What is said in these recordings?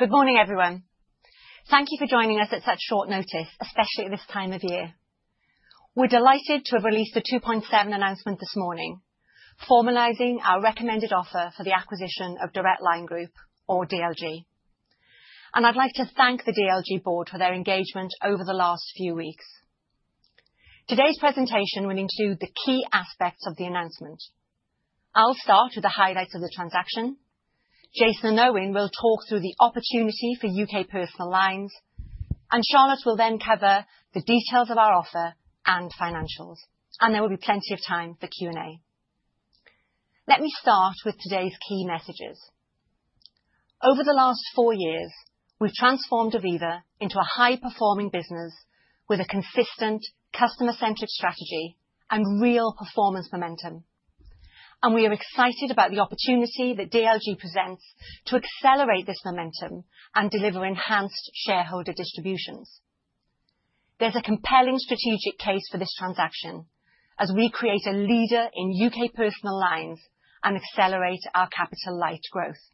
Good morning, everyone. Thank you for joining us at such short notice, especially at this time of year. We're delighted to have released the 2.7 announcement this morning, formalizing our recommended offer for the acquisition of Direct Line Group or DLG. I'd like to thank the DLG board for their engagement over the last few weeks. Today's presentation will include the key aspects of the announcement. I'll start with the highlights of the transaction. Jason and Owen will talk through the opportunity for UK Personal Lines, and Charlotte will then cover the details of our offer and financials, and there will be plenty of time for Q&A. Let me start with today's key messages. Over the last four years, we've transformed Aviva into a high-performing business with a consistent customer-centric strategy and real performance momentum. We are excited about the opportunity that DLG presents to accelerate this momentum and deliver enhanced shareholder distributions. There's a compelling strategic case for this transaction as we create a leader in UK personal lines and accelerate our capital-light growth.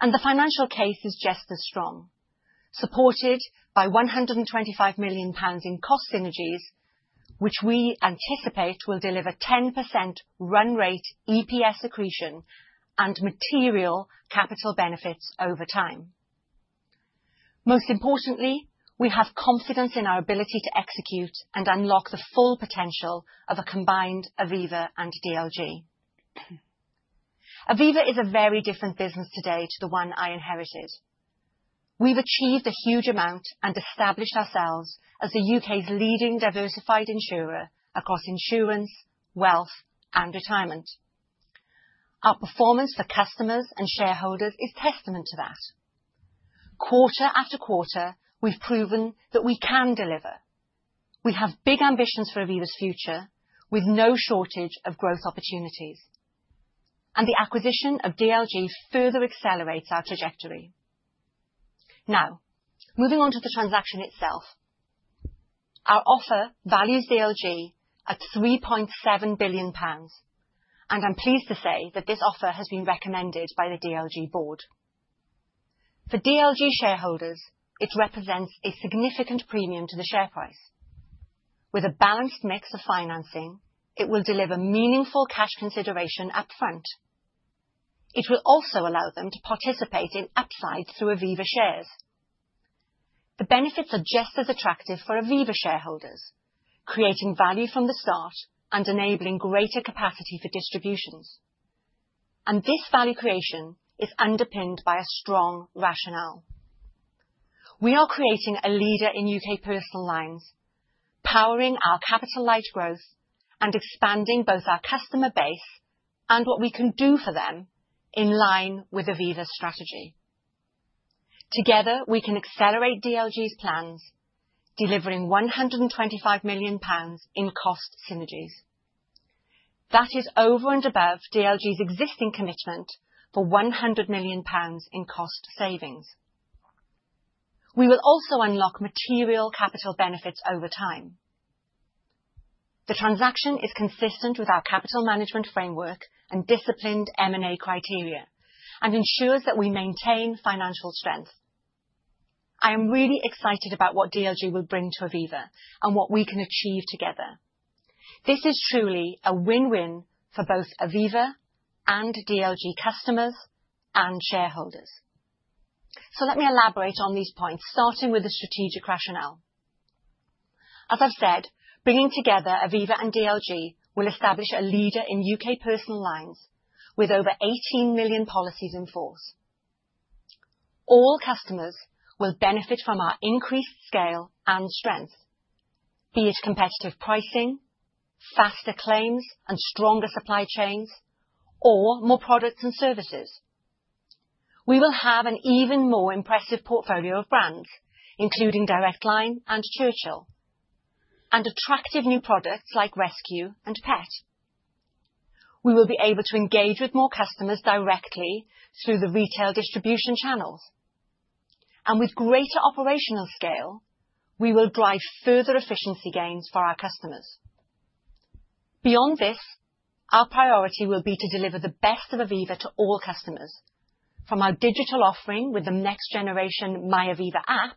The financial case is just as strong, supported by 125 million pounds in cost synergies, which we anticipate will deliver 10% run rate, EPS accretion, and material capital benefits over time. Most importantly, we have confidence in our ability to execute and unlock the full potential of a combined Aviva and DLG. Aviva is a very different business today to the one I inherited. We've achieved a huge amount and established ourselves as the UK's leading diversified insurer across insurance, wealth, and retirement. Our performance for customers and shareholders is testament to that. Quarter after quarter, we've proven that we can deliver. We have big ambitions for Aviva's future, with no shortage of growth opportunities, and the acquisition of DLG further accelerates our trajectory. Now, moving on to the transaction itself. Our offer values DLG at 3.7 billion pounds, and I'm pleased to say that this offer has been recommended by the DLG board. For DLG shareholders, it represents a significant premium to the share price. With a balanced mix of financing, it will deliver meaningful cash consideration upfront. It will also allow them to participate in upsides through Aviva shares. The benefits are just as attractive for Aviva shareholders, creating value from the start and enabling greater capacity for distributions. This value creation is underpinned by a strong rationale. We are creating a leader in UK Personal Lines, powering our capital-light growth and expanding both our customer base and what we can do for them in line with Aviva's strategy. Together, we can accelerate DLG's plans, delivering 125 million pounds in cost synergies. That is over and above DLG's existing commitment for 100 million pounds in cost savings. We will also unlock material capital benefits over time. The transaction is consistent with our capital management framework and disciplined M&A criteria and ensures that we maintain financial strength. I am really excited about what DLG will bring to Aviva and what we can achieve together. This is truly a win-win for both Aviva and DLG customers and shareholders. So let me elaborate on these points, starting with the strategic rationale. As I've said, bringing together Aviva and DLG will establish a leader in UK personal lines with over 18 million policies in force. All customers will benefit from our increased scale and strength, be it competitive pricing, faster claims, and stronger supply chains, or more products and services. We will have an even more impressive portfolio of brands, including Direct Line and Churchill, and attractive new products like Rescue and Pet. We will be able to engage with more customers directly through the retail distribution channels, and with greater operational scale, we will drive further efficiency gains for our customers. Beyond this, our priority will be to deliver the best of Aviva to all customers, from our digital offering with the next generation, MyAviva app,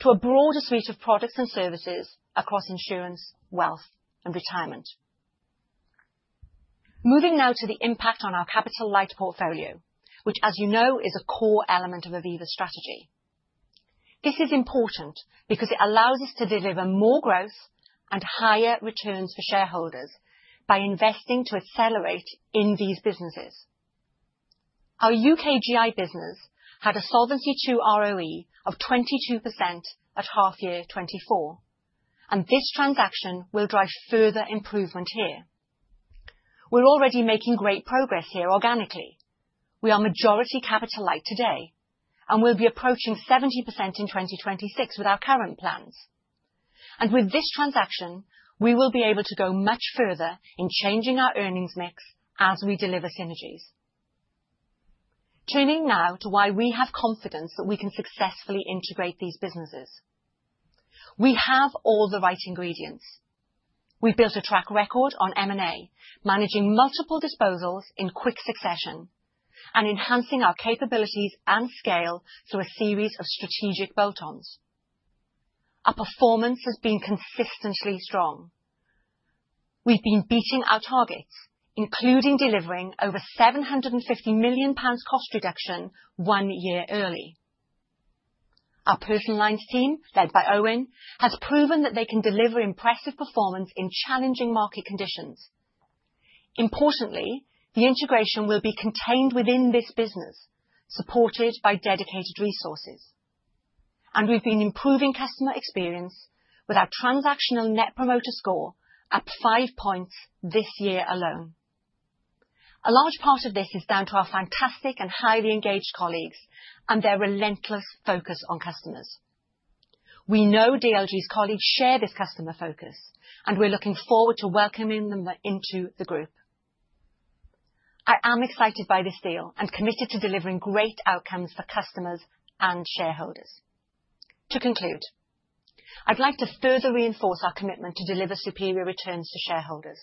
to a broader suite of products and services across insurance, wealth, and retirement. Moving now to the impact on our capital-light portfolio, which, as you know, is a core element of Aviva's strategy. This is important because it allows us to deliver more growth and higher returns for shareholders by investing to accelerate in these businesses. Our UK GI business had a Solvency II ROE of 22% at half year 2024, and this transaction will drive further improvement here. We're already making great progress here organically. We are majority capital light today, and we'll be approaching 70% in 2026 with our current plans. And with this transaction, we will be able to go much further in changing our earnings mix as we deliver synergies. Turning now to why we have confidence that we can successfully integrate these businesses. We have all the right ingredients. We've built a track record on M&A, managing multiple disposals in quick succession, and enhancing our capabilities and scale through a series of strategic bolt-ons. Our performance has been consistently strong. We've been beating our targets, including delivering over 750 million pounds cost reduction 1 year early. Our personal lines team, led by Owen, has proven that they can deliver impressive performance in challenging market conditions. Importantly, the integration will be contained within this business, supported by dedicated resources. We've been improving customer experience with our Transactional Net Promoter Score at 5 points this year alone. A large part of this is down to our fantastic and highly engaged colleagues, and their relentless focus on customers. We know DLG's colleagues share this customer focus, and we're looking forward to welcoming them into the group. I am excited by this deal and committed to delivering great outcomes for customers and shareholders. To conclude, I'd like to further reinforce our commitment to deliver superior returns to shareholders.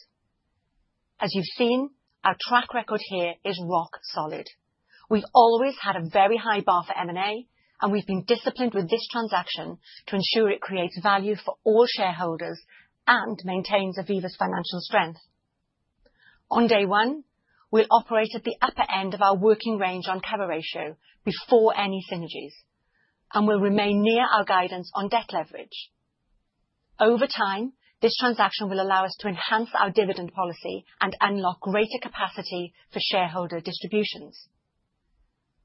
As you've seen, our track record here is rock solid. We've always had a very high bar for M&A, and we've been disciplined with this transaction to ensure it creates value for all shareholders and maintains Aviva's financial strength. On day one, we'll operate at the upper end of our working range on cover ratio before any synergies, and we'll remain near our guidance on debt leverage. Over time, this transaction will allow us to enhance our dividend policy and unlock greater capacity for shareholder distributions.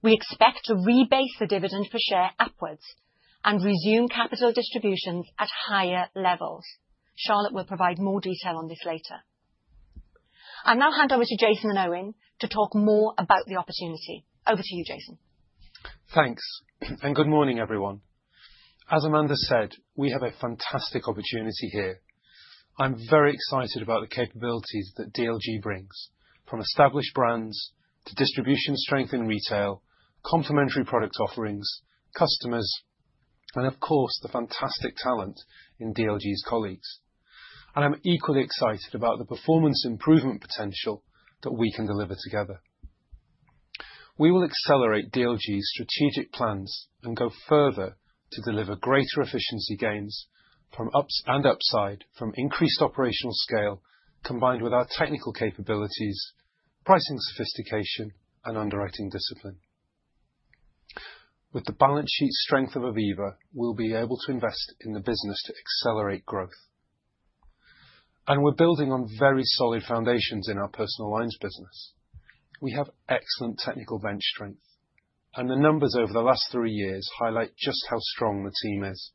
We expect to rebase the dividend per share upwards and resume capital distributions at higher levels. Charlotte will provide more detail on this later. I'll now hand over to Jason and Owen to talk more about the opportunity. Over to you, Jason. Thanks, and good morning, everyone. As Amanda said, we have a fantastic opportunity here. I'm very excited about the capabilities that DLG brings, from established brands to distribution strength in retail, complementary product offerings, customers, and of course, the fantastic talent in DLG's colleagues. And I'm equally excited about the performance improvement potential that we can deliver together. We will accelerate DLG's strategic plans and go further to deliver greater efficiency gains from ops and upside, from increased operational scale, combined with our technical capabilities, pricing sophistication, and underwriting discipline. With the balance sheet strength of Aviva, we'll be able to invest in the business to accelerate growth. And we're building on very solid foundations in our personal lines business. We have excellent technical bench strength, and the numbers over the last three years highlight just how strong the team is.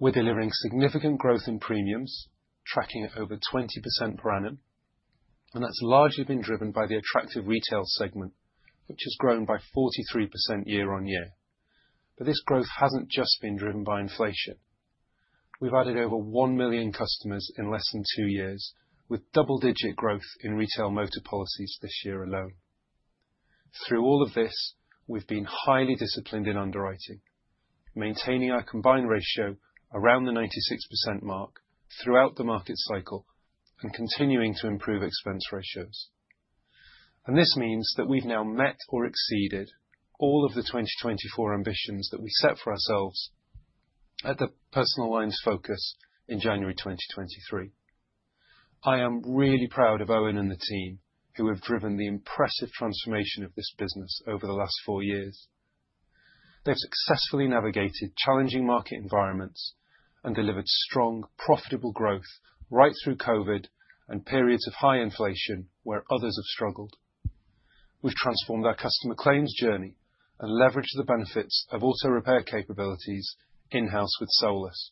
We're delivering significant growth in premiums, tracking at over 20% per annum, and that's largely been driven by the attractive retail segment, which has grown by 43% year-over-year. But this growth hasn't just been driven by inflation. We've added over 1 million customers in less than 2 years, with double-digit growth in retail motor policies this year alone. Through all of this, we've been highly disciplined in underwriting, maintaining our combined ratio around the 96% mark throughout the market cycle, and continuing to improve expense ratios. And this means that we've now met or exceeded all of the 2024 ambitions that we set for ourselves at the Personal Lines Focus in January 2023. I am really proud of Owen and the team, who have driven the impressive transformation of this business over the last 4 years. They've successfully navigated challenging market environments and delivered strong, profitable growth right through COVID and periods of high inflation, where others have struggled. We've transformed our customer claims journey and leveraged the benefits of auto repair capabilities in-house with Solus.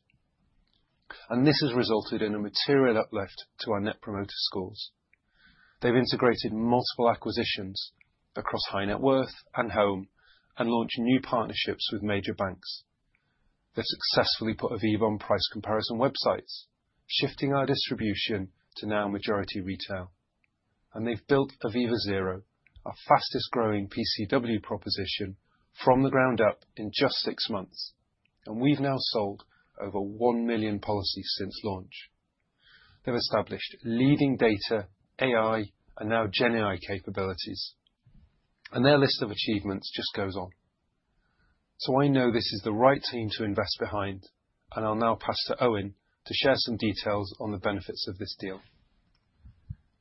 This has resulted in a material uplift to our Net Promoter Scores. They've integrated multiple acquisitions across high net worth and home, and launched new partnerships with major banks. They've successfully put Aviva on price comparison websites, shifting our distribution to now majority retail. They've built Aviva Zero, our fastest growing PCW proposition, from the ground up in just six months, and we've now sold over 1 million policies since launch. They've established leading data, AI, and now Gen AI capabilities, and their list of achievements just goes on. I know this is the right team to invest behind, and I'll now pass to Owen to share some details on the benefits of this deal.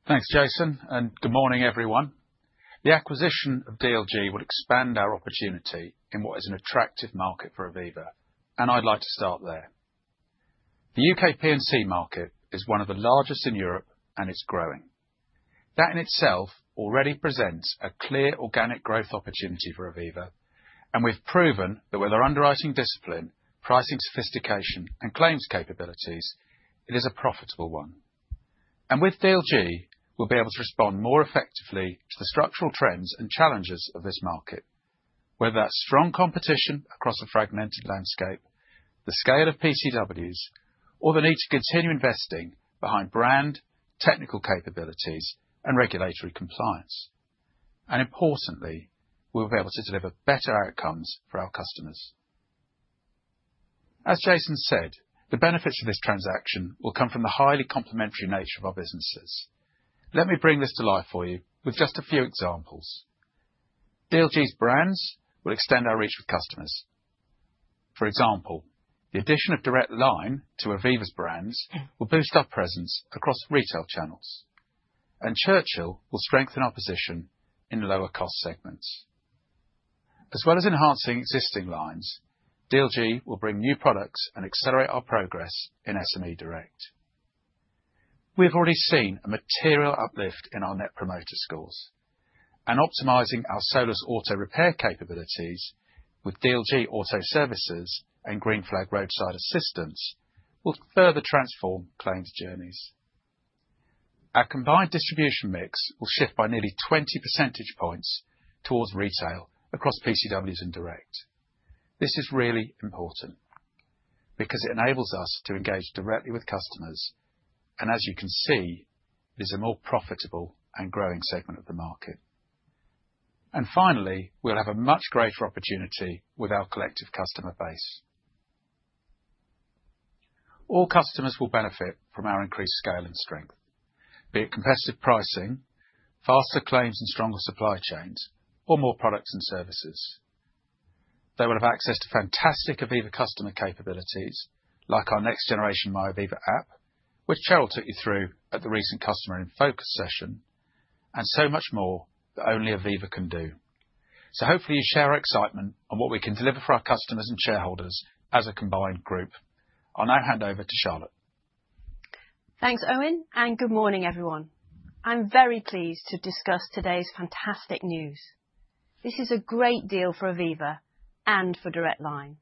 Thanks, Jason, and good morning, everyone. The acquisition of DLG will expand our opportunity in what is an attractive market for Aviva, and I'd like to start there. The UK P&C market is one of the largest in Europe, and it's growing. That, in itself, already presents a clear organic growth opportunity for Aviva, and we've proven that with our underwriting discipline, pricing sophistication, and claims capabilities, it is a profitable one. And with DLG, we'll be able to respond more effectively to the structural trends and challenges of this market, whether that's strong competition across a fragmented landscape, the scale of PCWs, or the need to continue investing behind brand, technical capabilities, and regulatory compliance... and importantly, we'll be able to deliver better outcomes for our customers. As Jason said, the benefits of this transaction will come from the highly complementary nature of our businesses. Let me bring this to life for you with just a few examples. DLG's brands will extend our reach with customers. For example, the addition of Direct Line to Aviva's brands will boost our presence across retail channels, and Churchill will strengthen our position in the lower cost segments. As well as enhancing existing lines, DLG will bring new products and accelerate our progress in SME Direct. We have already seen a material uplift in our Net Promoter Scores, and optimizing our Solus auto repair capabilities with DLG Auto Services and Green Flag Roadside Assistance will further transform claims journeys. Our combined distribution mix will shift by nearly 20 percentage points towards retail across PCWs and Direct. This is really important because it enables us to engage directly with customers, and as you can see, is a more profitable and growing segment of the market. And finally, we'll have a much greater opportunity with our collective customer base. All customers will benefit from our increased scale and strength, be it competitive pricing, faster claims and stronger supply chains, or more products and services. They will have access to fantastic Aviva customer capabilities, like our next generation MyAviva app, which Charlotte took you through at the recent Customer In Focus session, and so much more that only Aviva can do. So hopefully you share our excitement on what we can deliver for our customers and shareholders as a combined group. I'll now hand over to Charlotte. Thanks, Owen, and good morning, everyone. I'm very pleased to discuss today's fantastic news. This is a great deal for Aviva and for Direct Line.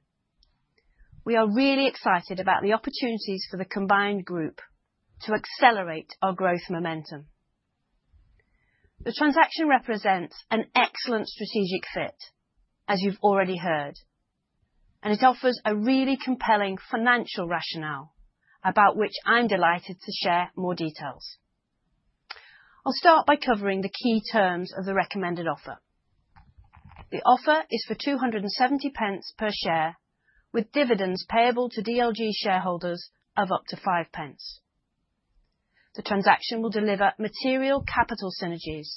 We are really excited about the opportunities for the combined group to accelerate our growth momentum. The transaction represents an excellent strategic fit, as you've already heard, and it offers a really compelling financial rationale, about which I'm delighted to share more details. I'll start by covering the key terms of the recommended offer. The offer is for 2.70 per share, with dividends payable to DLG shareholders of up to 0.05. The transaction will deliver material capital synergies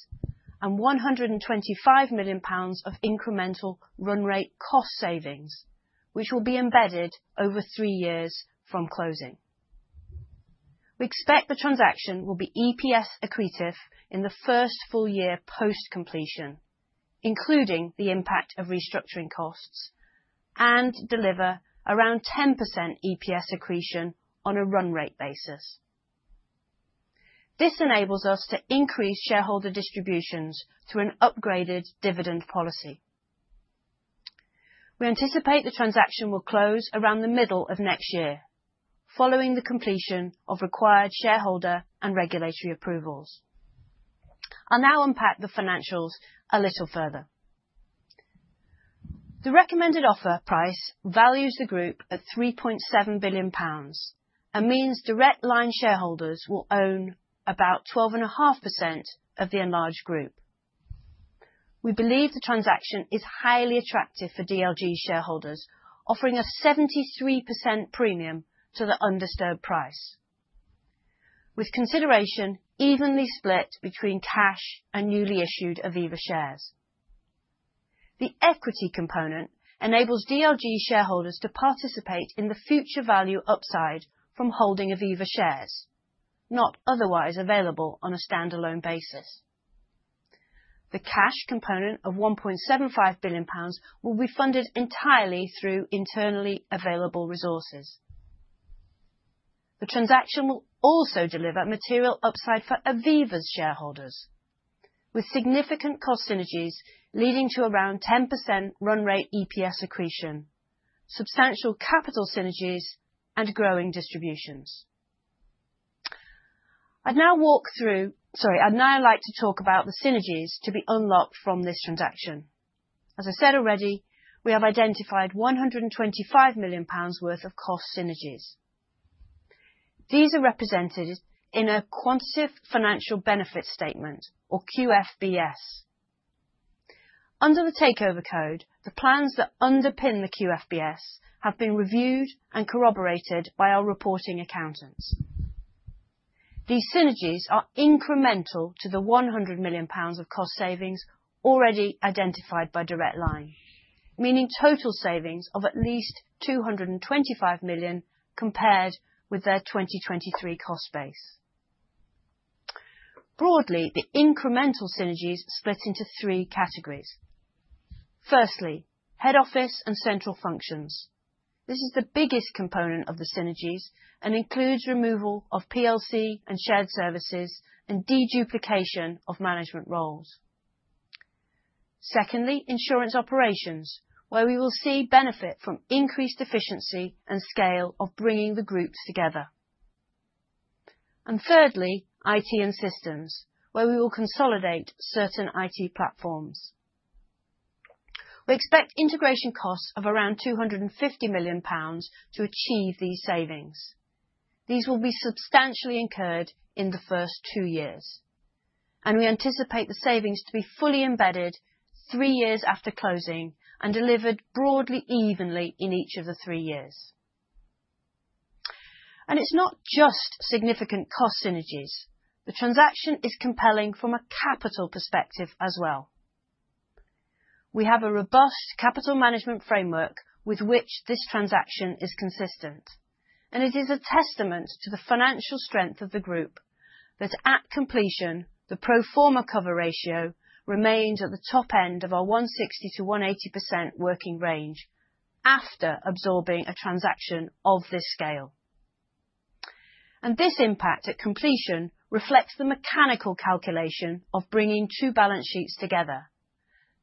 and 125 million pounds of incremental run rate cost savings, which will be embedded over three years from closing. We expect the transaction will be EPS accretive in the first full year post-completion, including the impact of restructuring costs, and deliver around 10% EPS accretion on a run rate basis. This enables us to increase shareholder distributions through an upgraded dividend policy. We anticipate the transaction will close around the middle of next year, following the completion of required shareholder and regulatory approvals. I'll now unpack the financials a little further. The recommended offer price values the group at 3.7 billion pounds, and means Direct Line shareholders will own about 12.5% of the enlarged group. We believe the transaction is highly attractive for DLG shareholders, offering a 73% premium to the undisturbed price, with consideration evenly split between cash and newly issued Aviva shares. The equity component enables DLG shareholders to participate in the future value upside from holding Aviva shares, not otherwise available on a standalone basis. The cash component of GBP 1.75 billion will be funded entirely through internally available resources. The transaction will also deliver material upside for Aviva's shareholders, with significant cost synergies leading to around 10% run rate EPS accretion, substantial capital synergies, and growing distributions. Sorry, I'd now like to talk about the synergies to be unlocked from this transaction. As I said already, we have identified 125 million pounds worth of cost synergies. These are represented in a quantitative financial benefit statement, or QFBS. Under the Takeover Code, the plans that underpin the QFBS have been reviewed and corroborated by our reporting accountants. These synergies are incremental to the 100 million pounds of cost savings already identified by Direct Line, meaning total savings of at least 225 million, compared with their 2023 cost base. Broadly, the incremental synergies split into three categories: firstly, head office and central functions. This is the biggest component of the synergies and includes removal of PLC and shared services and de-duplication of management roles. Secondly, insurance operations, where we will see benefit from increased efficiency and scale of bringing the groups together. And thirdly, IT and systems, where we will consolidate certain IT platforms... We expect integration costs of around 250 million pounds to achieve these savings. These will be substantially incurred in the first two years, and we anticipate the savings to be fully embedded three years after closing and delivered broadly evenly in each of the three years. It's not just significant cost synergies. The transaction is compelling from a capital perspective as well. We have a robust capital management framework with which this transaction is consistent, and it is a testament to the financial strength of the group that at completion, the pro forma cover ratio remains at the top end of our 160%-180% working range after absorbing a transaction of this scale. This impact at completion reflects the mechanical calculation of bringing two balance sheets together.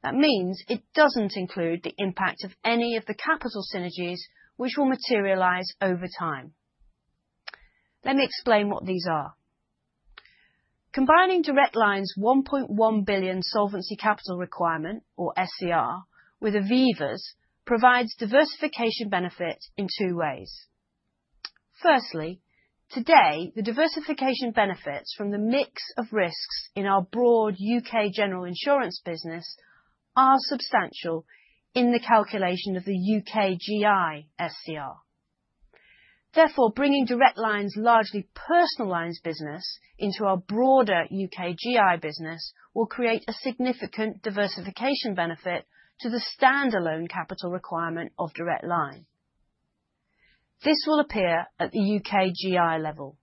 That means it doesn't include the impact of any of the capital synergies which will materialize over time. Let me explain what these are. Combining Direct Line's 1.1 billion solvency capital requirement, or SCR, with Aviva's, provides diversification benefit in two ways. Firstly, today, the diversification benefits from the mix of risks in our broad UK general insurance business are substantial in the calculation of the UK GI SCR. Therefore, bringing Direct Line's largely personal lines business into our broader UK GI business will create a significant diversification benefit to the standalone capital requirement of Direct Line. This will appear at the UK GI level.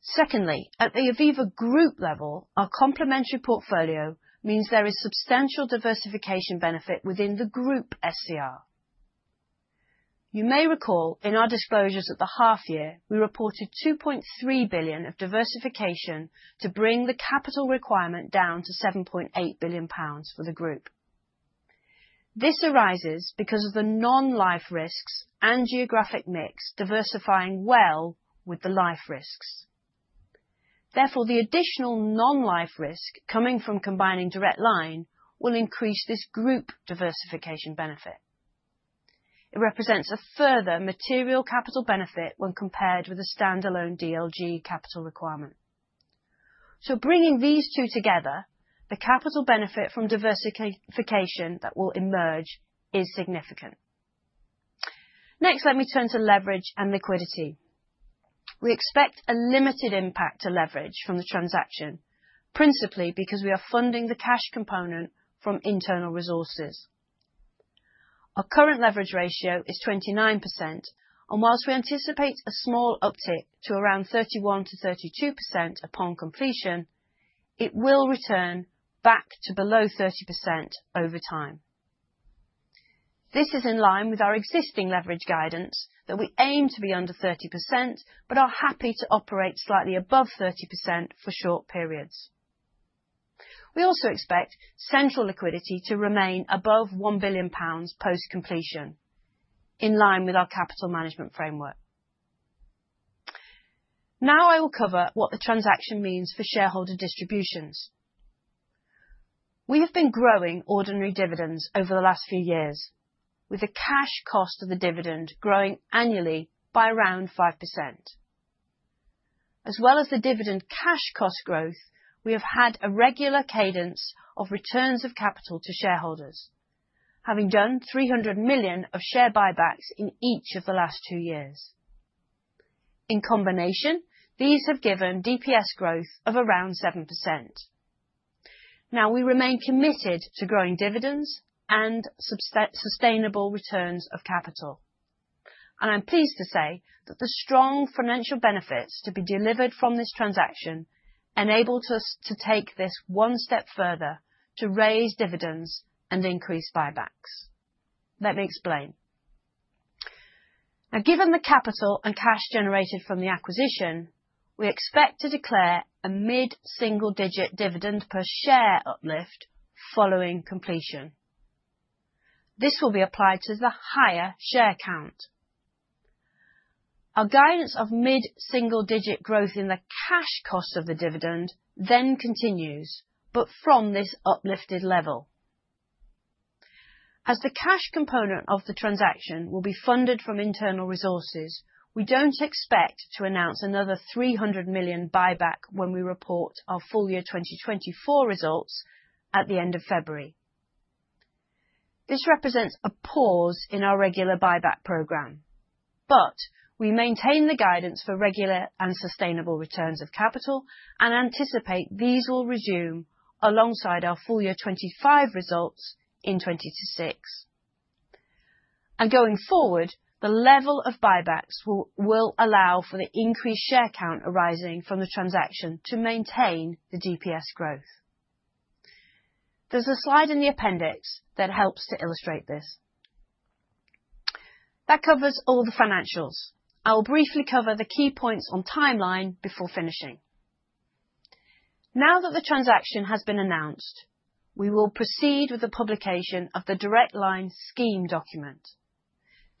Secondly, at the Aviva group level, our complementary portfolio means there is substantial diversification benefit within the group SCR. You may recall in our disclosures at the half year, we reported 2.3 billion of diversification to bring the capital requirement down to 7.8 billion pounds for the group. This arises because of the non-life risks and geographic mix diversifying well with the life risks. Therefore, the additional non-life risk coming from combining Direct Line will increase this group diversification benefit. It represents a further material capital benefit when compared with a standalone DLG capital requirement. So bringing these two together, the capital benefit from diversification that will emerge is significant. Next, let me turn to leverage and liquidity. We expect a limited impact to leverage from the transaction, principally because we are funding the cash component from internal resources. Our current leverage ratio is 29%, and whilst we anticipate a small uptick to around 31%-32% upon completion, it will return back to below 30% over time. This is in line with our existing leverage guidance that we aim to be under 30%, but are happy to operate slightly above 30% for short periods. We also expect central liquidity to remain above 1 billion pounds post-completion, in line with our capital management framework. Now I will cover what the transaction means for shareholder distributions. We have been growing ordinary dividends over the last few years, with the cash cost of the dividend growing annually by around 5%. As well as the dividend cash cost growth, we have had a regular cadence of returns of capital to shareholders, having done 300 million of share buybacks in each of the last two years. In combination, these have given DPS growth of around 7%. Now, we remain committed to growing dividends and sustainable returns of capital. And I'm pleased to say that the strong financial benefits to be delivered from this transaction enable us to take this one step further to raise dividends and increase buybacks. Let me explain. Now, given the capital and cash generated from the acquisition, we expect to declare a mid-single digit dividend per share uplift following completion. This will be applied to the higher share count. Our guidance of mid-single digit growth in the cash cost of the dividend then continues, but from this uplifted level. As the cash component of the transaction will be funded from internal resources, we don't expect to announce another 300 million buyback when we report our full year 2024 results at the end of February. This represents a pause in our regular buyback program, but we maintain the guidance for regular and sustainable returns of capital and anticipate these will resume alongside our full year 2025 results in 2026. Going forward, the level of buybacks will allow for the increased share count arising from the transaction to maintain the DPS growth. There's a slide in the appendix that helps to illustrate this. That covers all the financials. I will briefly cover the key points on timeline before finishing. Now that the transaction has been announced, we will proceed with the publication of the Direct Line scheme document.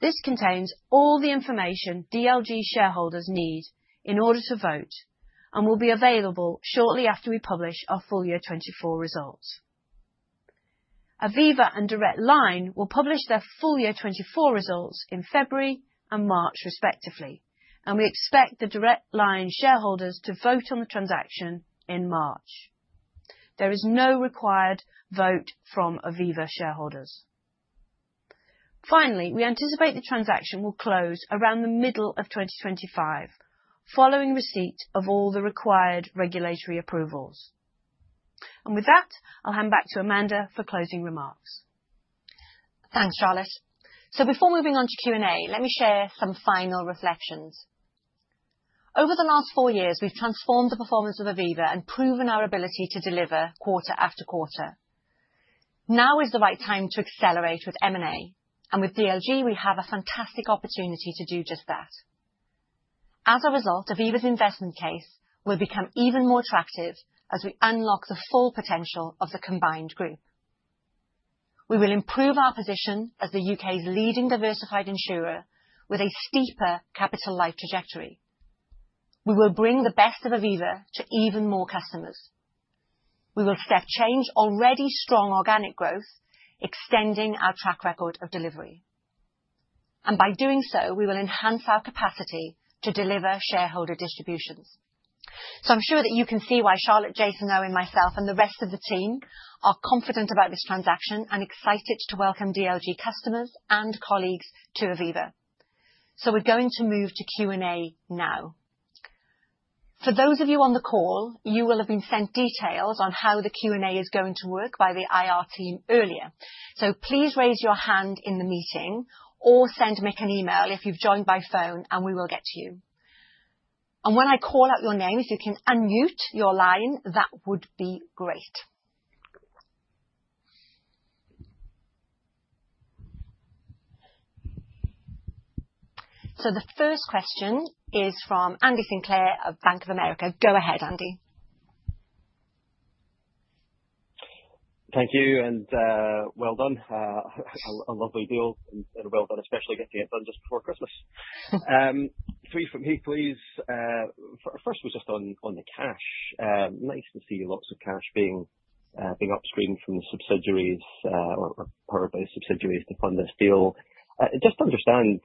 This contains all the information DLG shareholders need in order to vote, and will be available shortly after we publish our full year 2024 results. Aviva and Direct Line will publish their full year 2024 results in February and March, respectively, and we expect the Direct Line shareholders to vote on the transaction in March. There is no required vote from Aviva shareholders. Finally, we anticipate the transaction will close around the middle of 2025, following receipt of all the required regulatory approvals. And with that, I'll hand back to Amanda for closing remarks. Thanks, Charlotte. So before moving on to Q&A, let me share some final reflections. Over the last four years, we've transformed the performance of Aviva and proven our ability to deliver quarter after quarter. Now is the right time to accelerate with M&A, and with DLG, we have a fantastic opportunity to do just that. As a result, Aviva's investment case will become even more attractive as we unlock the full potential of the combined group. We will improve our position as the UK's leading diversified insurer with a steeper capital light trajectory. We will bring the best of Aviva to even more customers. We will step change already strong organic growth, extending our track record of delivery. And by doing so, we will enhance our capacity to deliver shareholder distributions. So I'm sure that you can see why Charlotte, Jason, Owen, myself, and the rest of the team are confident about this transaction and excited to welcome DLG customers and colleagues to Aviva. So we're going to move to Q&A now. For those of you on the call, you will have been sent details on how the Q&A is going to work by the IR team earlier. So please raise your hand in the meeting or send Mick an email if you've joined by phone, and we will get to you. And when I call out your names, if you can unmute your line, that would be great. So the first question is from Andy Sinclair of Bank of America. Go ahead, Andy. Thank you, and, well done. A lovely deal, and well done, especially getting it done just before Christmas. Three from me, please. First was just on the cash. Nice to see lots of cash being upstreamed from the subsidiaries, or part of the subsidiaries to fund this deal. Just to understand,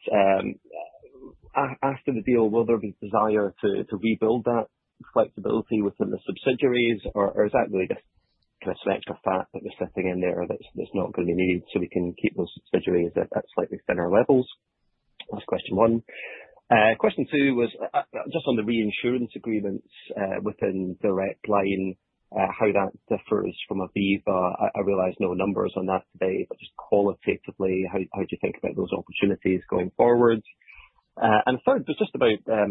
after the deal, will there be desire to rebuild that flexibility within the subsidiaries, or is that really just kind of extra fat that was sitting in there that's not going to be needed, so we can keep those subsidiaries at slightly thinner levels? That's question one. Question two was just on the reinsurance agreements within Direct Line, how that differs from Aviva. I realize no numbers on that today, but just qualitatively, how do you think about those opportunities going forward? And third, just about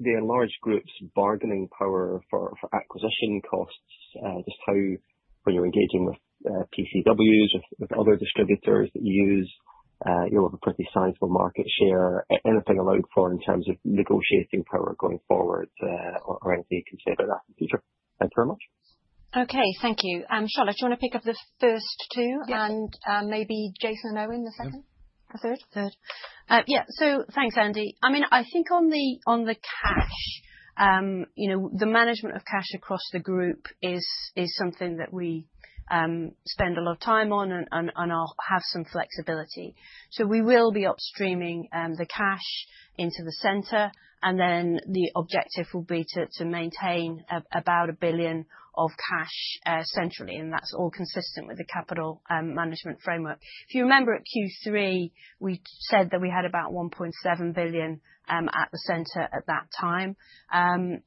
the enlarged group's bargaining power for acquisition costs, just how, when you're engaging with PCWs, with other distributors that you use, you'll have a pretty sizable market share. Anything allowed for in terms of negotiating power going forward, or anything you consider in the future? Thanks very much. Okay, thank you. Charlotte, do you want to pick up the first two? Yes. Maybe Jason and Owen, the second? Mm-hmm. The third? Third. Yeah, so thanks, Andy. I mean, I think on the, on the cash, you know, the management of cash across the group is, is something that we spend a lot of time on and I'll have some flexibility. So we will be upstreaming the cash into the center, and then the objective will be to maintain about 1 billion of cash centrally, and that's all consistent with the capital management framework. If you remember, at Q3, we said that we had about 1.7 billion at the center at that time. And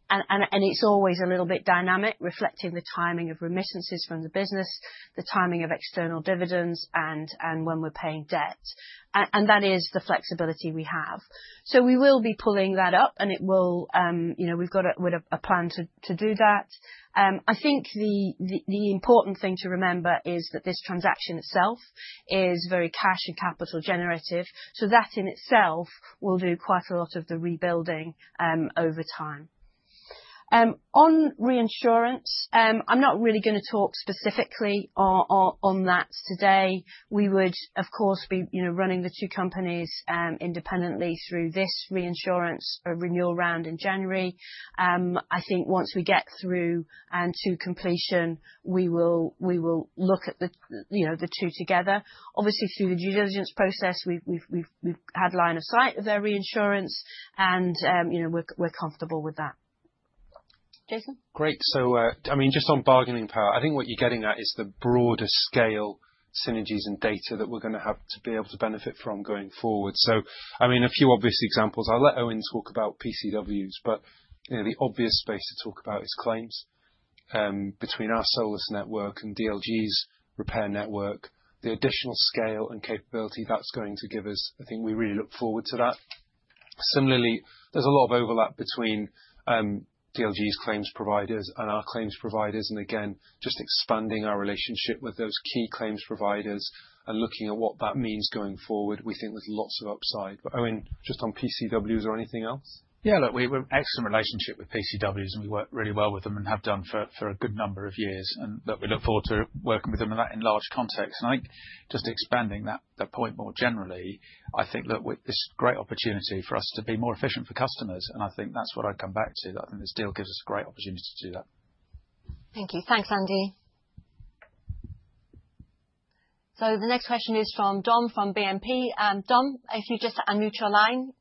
it's always a little bit dynamic, reflecting the timing of remittances from the business, the timing of external dividends, and when we're paying debt. And that is the flexibility we have. So we will be pulling that up, and it will, you know, we've got a plan to do that. I think the important thing to remember is that this transaction itself is very cash and capital generative, so that in itself will do quite a lot of the rebuilding, over time. On reinsurance, I'm not really gonna talk specifically on that today. We would, of course, be, you know, running the two companies, independently through this reinsurance renewal round in January. I think once we get through, and to completion, we will look at the, you know, the two together. Obviously, through the due diligence process, we've had line of sight of their reinsurance and, you know, we're comfortable with that. Jason? Great. So, I mean, just on bargaining power, I think what you're getting at is the broader scale synergies and data that we're gonna have to be able to benefit from going forward. So, I mean, a few obvious examples, I'll let Owen talk about PCWs, but, you know, the obvious space to talk about is claims. Between our Solus network and DLG's repair network, the additional scale and capability that's going to give us, I think we really look forward to that. Similarly, there's a lot of overlap between...... DLG's claims providers and our claims providers, and again, just expanding our relationship with those key claims providers and looking at what that means going forward, we think there's lots of upside. But Owen, just on PCWs or anything else? Yeah, look, we've an excellent relationship with PCWs, and we work really well with them and have done for a good number of years, and look, we look forward to working with them in that enlarged context. I think just expanding that point more generally, I think, look, we—this is a great opportunity for us to be more efficient for customers, and I think that's what I'd come back to. I think this deal gives us a great opportunity to do that. Thank you. Thanks, Andy. So the next question is from Dom, from BNP. Dom, if you'd just unmute your line.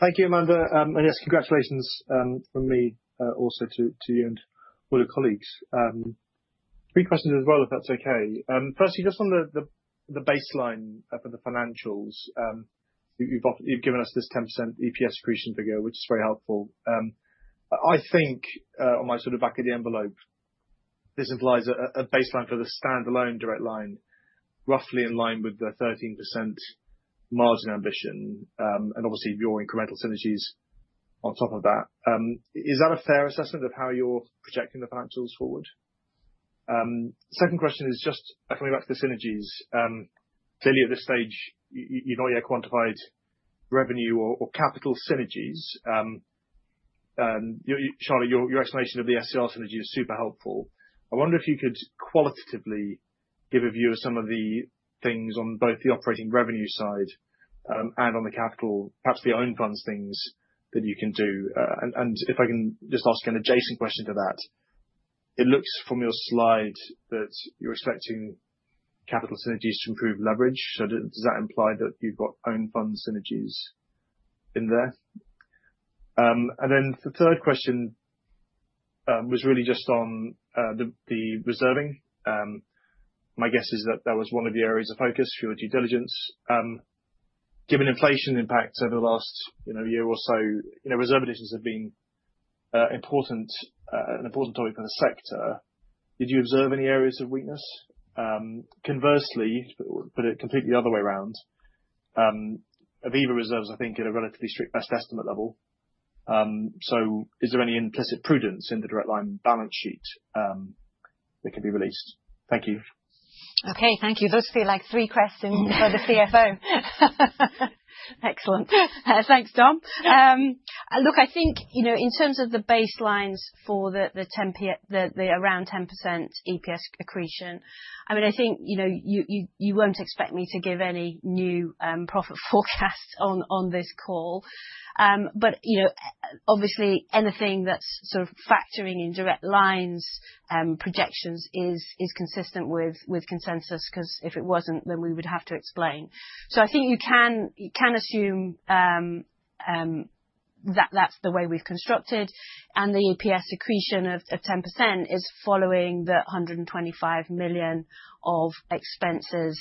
Thank you, Amanda. And, yes, congratulations from me, also to you and all your colleagues. Three questions as well, if that's okay. Firstly, just on the baseline for the financials. You've given us this 10% EPS accretion figure, which is very helpful. I think, on my sort of back of the envelope, this implies a baseline for the standalone Direct Line, roughly in line with the 13% margin ambition, and obviously your incremental synergies on top of that. Is that a fair assessment of how you're projecting the financials forward? Second question is just coming back to the synergies. Clearly, at this stage, you've not yet quantified revenue or capital synergies. Charlotte, your explanation of the SCR synergy is super helpful. I wonder if you could qualitatively give a view of some of the things on both the operating revenue side, and on the capital, perhaps the own funds things that you can do. And if I can just ask an adjacent question to that, it looks from your slide that you're expecting capital synergies to improve leverage. So does that imply that you've got own funds synergies in there? And then the third question was really just on the reserving. My guess is that that was one of the areas of focus for your due diligence. Given inflation impacts over the last, you know, year or so, you know, reserve additions have been an important topic in the sector. Did you observe any areas of weakness? Conversely, but completely the other way around, Aviva reserves, I think, at a relatively strict best estimate level. So is there any implicit prudence in the Direct Line balance sheet that can be released? Thank you. Okay, thank you. Those feel like three questions for the CFO. Excellent. Thanks, Dom. Look, I think, you know, in terms of the baselines for the, the around 10% EPS accretion, I mean, I think, you know, you, you, you won't expect me to give any new profit forecasts on this call. But, you know, obviously, anything that's sort of factoring in Direct Line's projections is consistent with consensus, 'cause if it wasn't, then we would have to explain. So I think you can, you can assume that that's the way we've constructed, and the EPS accretion of 10% is following the 125 million of expenses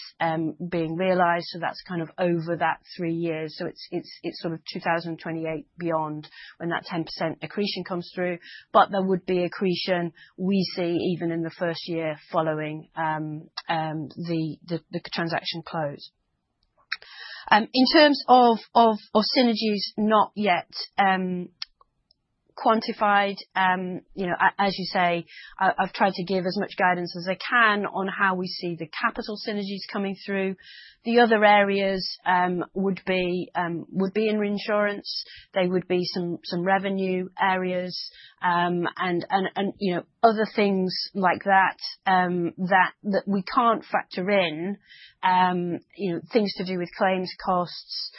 being realized, so that's kind of over that three years. So it's sort of 2028 beyond, when that 10% accretion comes through. But there would be accretion we see even in the first year following the transaction close. In terms of synergies not yet quantified, you know, as you say, I've tried to give as much guidance as I can on how we see the capital synergies coming through. The other areas would be in reinsurance. They would be some revenue areas, and you know, other things like that, that we can't factor in. You know, things to do with claims costs.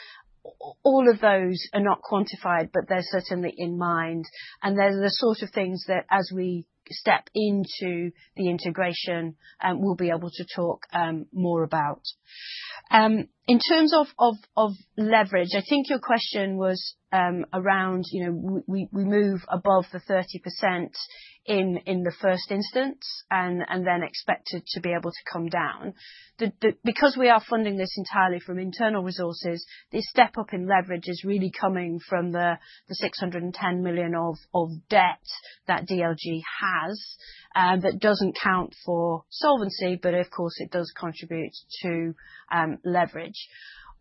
All of those are not quantified, but they're certainly in mind, and they're the sort of things that, as we step into the integration, we'll be able to talk more about. In terms of leverage, I think your question was around, you know, we move above the 30% in the first instance and then expected to be able to come down. Because we are funding this entirely from internal resources, this step up in leverage is really coming from the 610 million of debt that DLG has, that doesn't count for solvency, but of course, it does contribute to leverage.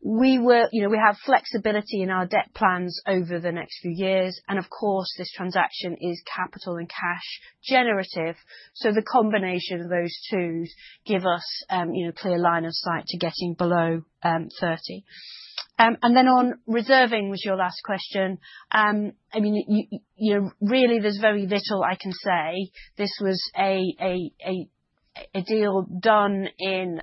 We will... You know, we have flexibility in our debt plans over the next few years, and of course, this transaction is capital and cash generative, so the combination of those twos give us, you know, clear line of sight to getting below 30. And then on reserving, was your last question. I mean, you know, really, there's very little I can say. This was a deal done in,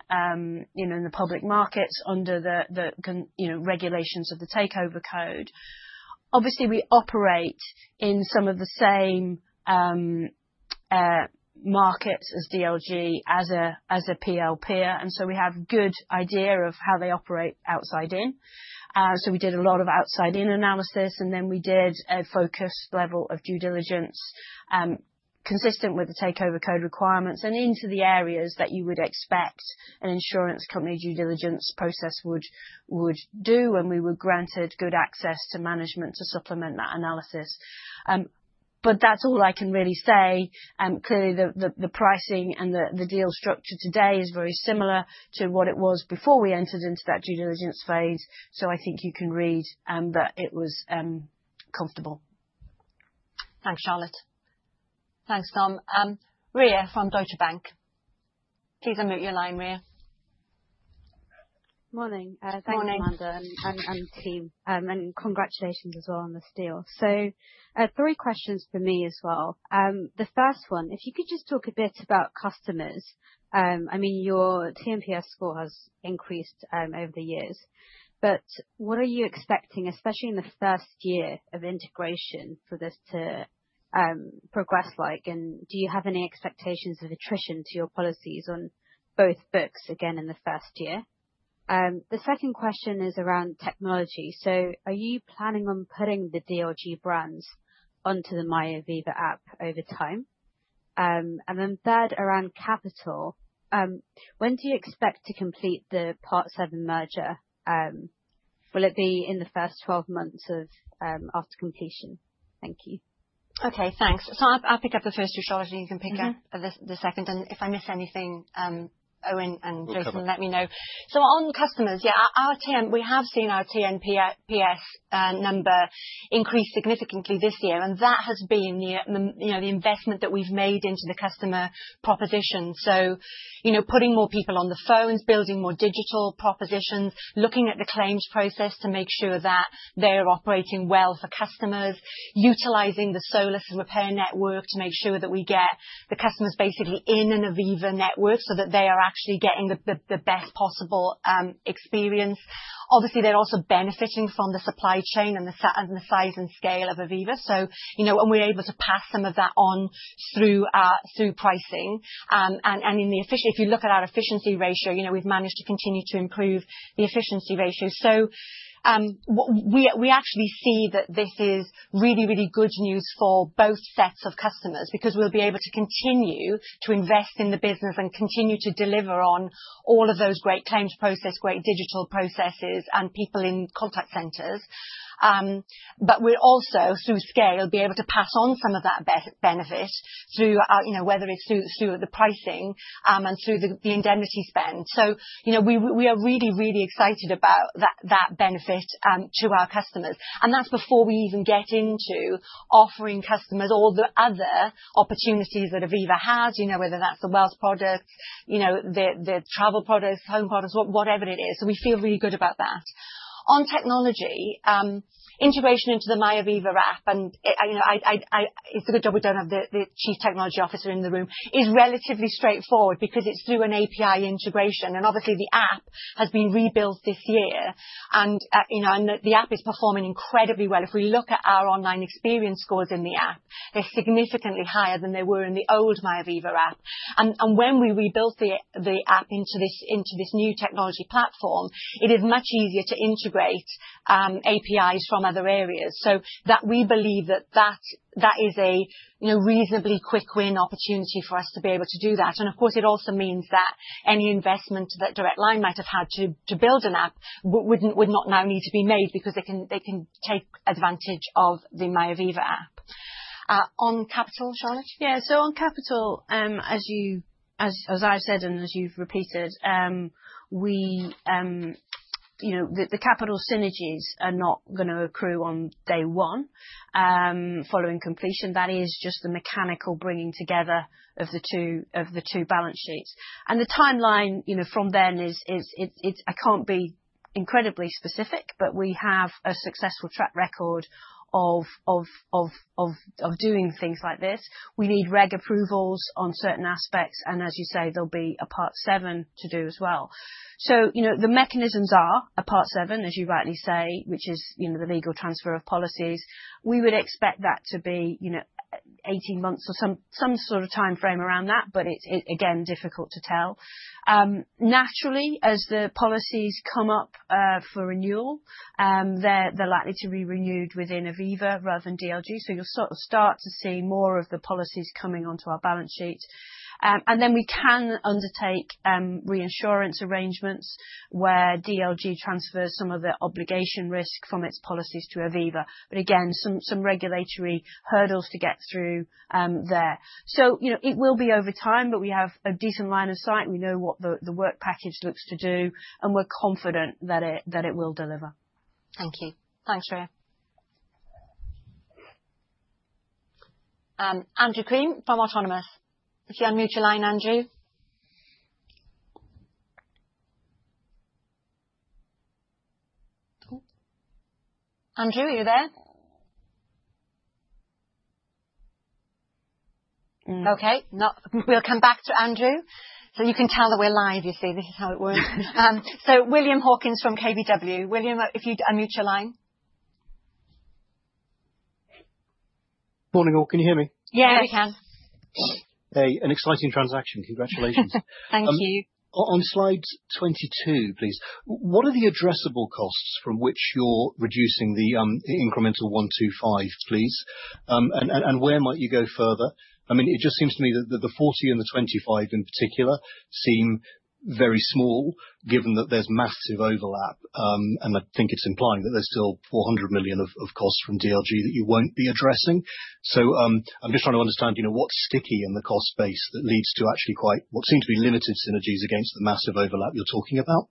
you know, in the public markets under the, you know, regulations of the Takeover Code. Obviously, we operate in some of the same markets as DLG, as a PL peer, and so we have good idea of how they operate outside in. So we did a lot of outside-in analysis, and then we did a focused level of due diligence, consistent with the Takeover Code requirements, and into the areas that you would expect an insurance company due diligence process would do, and we were granted good access to management to supplement that analysis. But that's all I can really say. Clearly, the pricing and the deal structure today is very similar to what it was before we entered into that due diligence phase, so I think you can read that it was comfortable. Thanks, Charlotte. Thanks, Dom. Rhea from Deutsche Bank. Please unmute your line, Rhea. Morning. Morning. Thanks, Amanda and team, and congratulations as well on this deal. So, three questions from me as well. The first one, if you could just talk a bit about customers. I mean, your TNPS score has increased over the years, but what are you expecting, especially in the first year of integration, for this to progress like? And do you have any expectations of attrition to your policies on both books, again, in the first year? The second question is around technology. So are you planning on putting the DLG brands onto the MyAviva app over time? And then third, around capital, when do you expect to complete the Part VII merger? Will it be in the first 12 months after completion? Thank you. Okay, thanks. So I'll pick up the first two, Charlotte, and you can pick up. Mm-hmm. the second, and if I miss anything, Owen and- No problem. Christopher, let me know. So on customers, yeah, our TNPS. We have seen our TNPS number increase significantly this year, and that has been the, you know, the investment that we've made into the customer proposition. So, you know, putting more people on the phones, building more digital propositions, looking at the claims process to make sure that they're operating well for customers. Utilizing the Solus repair network to make sure that we get the customers basically in an Aviva network, so that they are actually getting the best possible experience. Obviously, they're also benefiting from the supply chain and the size and scale of Aviva, so you know, and we're able to pass some of that on through pricing. If you look at our efficiency ratio, you know, we've managed to continue to improve the efficiency ratio. So, we actually see that this is really, really good news for both sets of customers. Because we'll be able to continue to invest in the business and continue to deliver on all of those great claims process, great digital processes, and people in contact centers. But we'll also, through scale, be able to pass on some of that benefit through, you know, whether it's through the pricing, and through the indemnity spend. So, you know, we are really, really excited about that benefit to our customers, and that's before we even get into offering customers all the other opportunities that Aviva has, you know, whether that's the wealth products, you know, the travel products, home products, whatever it is. So we feel really good about that. On technology integration into the MyAviva app, and it's a good job we don't have the Chief Technology Officer in the room. It's relatively straightforward because it's through an API integration, and obviously, the app has been rebuilt this year. And, you know, the app is performing incredibly well. If we look at our online experience scores in the app, they're significantly higher than they were in the old MyAviva app. When we rebuilt the app into this new technology platform, it is much easier to integrate APIs from other areas. So that we believe that is a, you know, reasonably quick win opportunity for us to be able to do that. And of course, it also means that any investment that Direct Line might have had to build an app wouldn't now need to be made because they can take advantage of the MyAviva app. On capital, Charlotte? Yeah. So on capital, as you as I said, and as you've repeated, we you know. The capital synergies are not gonna accrue on day one. Following completion, that is just the mechanical bringing together of the two of the two balance sheets. And the timeline, you know, from then is it. I can't be incredibly specific, but we have a successful track record of doing things like this. We need reg approvals on certain aspects, and as you say, there'll be a Part VII to do as well. So, you know, the mechanisms are a Part VII, as you rightly say, which is, you know, the legal transfer of policies. We would expect that to be, you know, 18 months or some sort of timeframe around that, but it's it, again, difficult to tell. Naturally, as the policies come up, for renewal, they're, they're likely to be renewed within Aviva rather than DLG, so you'll sort of start to see more of the policies coming onto our balance sheet. And then we can undertake, reinsurance arrangements, where DLG transfers some of the obligation risk from its policies to Aviva, but again, some, some regulatory hurdles to get through, there. So, you know, it will be over time, but we have a decent line of sight. We know what the, the work package looks to do, and we're confident that it, that it will deliver. Thank you. Thanks, Rhea. Andrew Crean from Autonomous. Please unmute your line, Andrew. Cool. Andrew, are you there? Okay, we'll come back to Andrew. So you can tell that we're live, you see. This is how it works. So William Hawkins from KBW. William, if you'd unmute your line. Morning, all. Can you hear me? Yes. Yeah, we can. Hey, an exciting transaction. Congratulations. Thank you. On slide 22, please, what are the addressable costs from which you're reducing the incremental 125 please? And where might you go further? I mean, it just seems to me that the 40 million and the 25 million in particular seem very small, given that there's massive overlap. And I think it's implying that there's still 400 million of costs from DLG that you won't be addressing. So, I'm just trying to understand, you know, what's sticky in the cost base that leads to actually quite what seem to be limited synergies against the massive overlap you're talking about?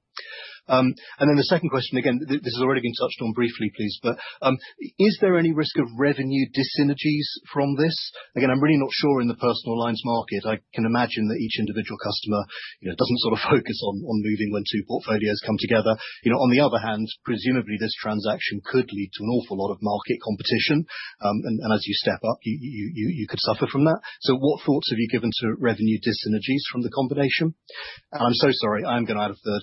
And then the second question, again, this has already been touched on briefly, please, but is there any risk of revenue dis-synergies from this? Again, I'm really not sure in the personal lines market. I can imagine that each individual customer, you know, doesn't sort of focus on moving when two portfolios come together. You know, on the other hand, presumably, this transaction could lead to an awful lot of market competition. And as you step up, you could suffer from that. So what thoughts have you given to revenue dis-synergies from the combination? And I'm so sorry, I'm going to add a third.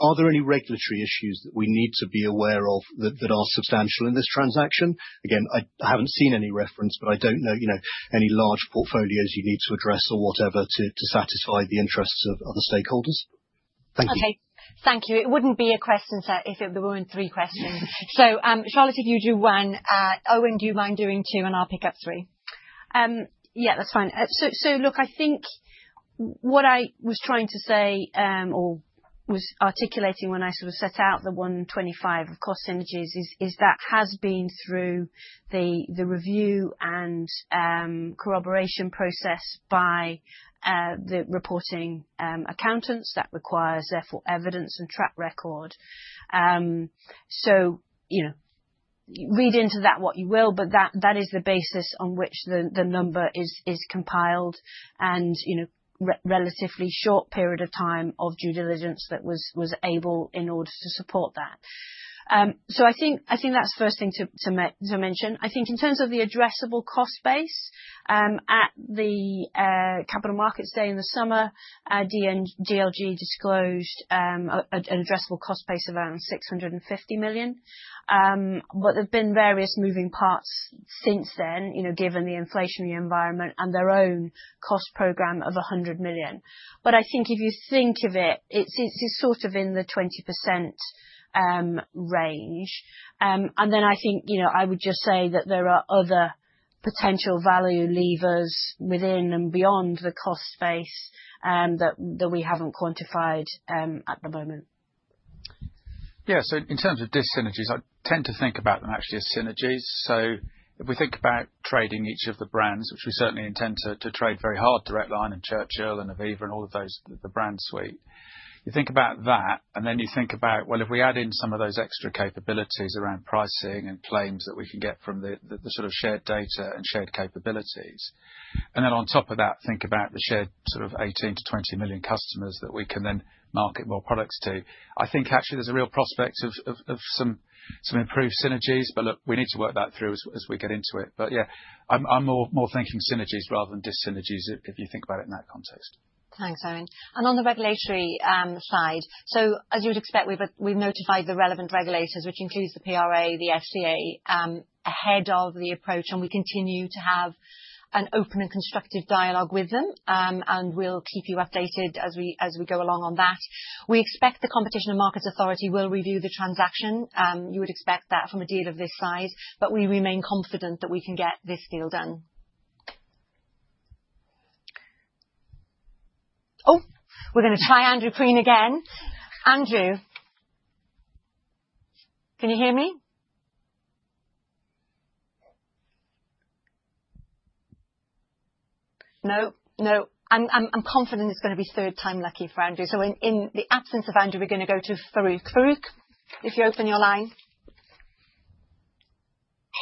Are there any regulatory issues that we need to be aware of that are substantial in this transaction? Again, I haven't seen any reference, but I don't know, you know, any large portfolios you need to address or whatever, to satisfy the interests of other stakeholders. Thank you. Okay. Thank you. It wouldn't be a question set if there weren't three questions. So, Charlotte, if you do one, Owen, do you mind doing two, and I'll pick up three. Yeah, that's fine. So, look, I think what I was trying to say, or was articulating when I sort of set out the 125 of cost synergies is that has been through the review and corroboration process by the reporting accountants. That requires, therefore, evidence and track record. So, you know, read into that what you will, but that is the basis on which the number is compiled and, you know, relatively short period of time of due diligence that was able in order to support that. So I think that's the first thing to mention. I think in terms of the addressable cost base, at the capital markets day in the summer, DLG disclosed an addressable cost base of around 650 million. But there have been various moving parts since then, you know, given the inflationary environment and their own cost program of 100 million. But I think if you think of it, it's sort of in the 20% range. And then I think, you know, I would just say that there are other potential value levers within and beyond the cost base that we haven't quantified at the moment. Yeah. So in terms of dis-synergies, I tend to think about them actually as synergies. So if we think about trading each of the brands, which we certainly intend to, to trade very hard, Direct Line and Churchill and Aviva and all of those, the brand suite. You think about that, and then you think about, well, if we add in some of those extra capabilities around pricing and claims that we can get from the sort of shared data and shared capabilities. And then on top of that, think about the shared sort of 18-20 million customers that we can then market more products to. I think actually there's a real prospect of some improved synergies. But look, we need to work that through as we get into it. Yeah, I'm more thinking synergies rather than dis-synergies, if you think about it in that context. Thanks, Owen. And on the regulatory side, so as you'd expect, we've notified the relevant regulators, which includes the PRA, the FCA, ahead of the approach, and we continue to have an open and constructive dialogue with them. And we'll keep you updated as we go along on that. We expect the Competition and Markets Authority will review the transaction. You would expect that from a deal of this size, but we remain confident that we can get this deal done. Oh! We're going to try Andrew Crean again. Andrew, can you hear me? No, no. I'm confident it's going to be third time lucky for Andrew. So in the absence of Andrew, we're going to go to Farooq. Farooq, if you open your line.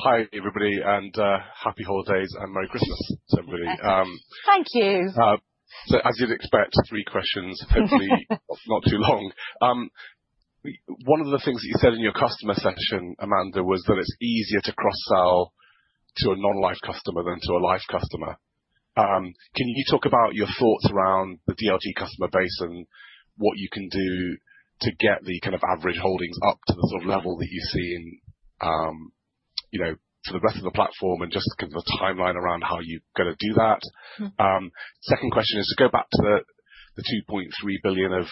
Hi, everybody, and happy holidays and Merry Christmas to everybody. Thank you. As you'd expect, three questions. Hopefully, not too long. One of the things that you said in your customer session, Amanda, was that it's easier to cross-sell to a non-life customer than to a life customer. Can you talk about your thoughts around the DLG customer base and what you can do to get the kind of average holdings up to the sort of level that you see in, you know, to the rest of the platform and just kind of the timeline around how you're going to do that? Mm-hmm. Second question is, to go back to the two point three billion of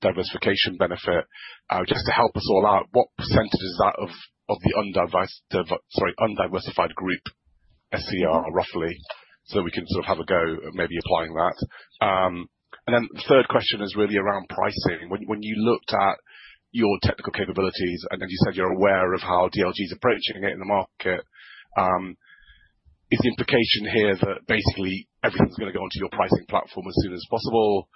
diversification benefit, just to help us all out, what percentage is that of the undiversified group SCR, roughly? So we can sort of have a go at maybe applying that. And then the third question is really around pricing. When you looked at your technical capabilities, and then you said you're aware of how DLG's approaching it in the market, is the implication here that basically everything's going to go onto your pricing platform as soon as possible,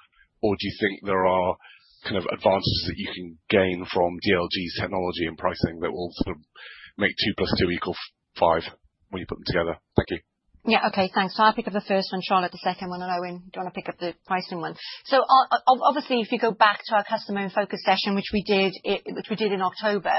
or do you think there are kind of advantages that you can gain from DLG's technology and pricing that will sort of make 2 + 2 equal five when you put them together? Thank you. Yeah. Okay, thanks. So I'll pick up the first one, Charlotte, the second one, and Owen, do you want to pick up the pricing one? So obviously, if you go back to our Customer in Focus session, which we did in October,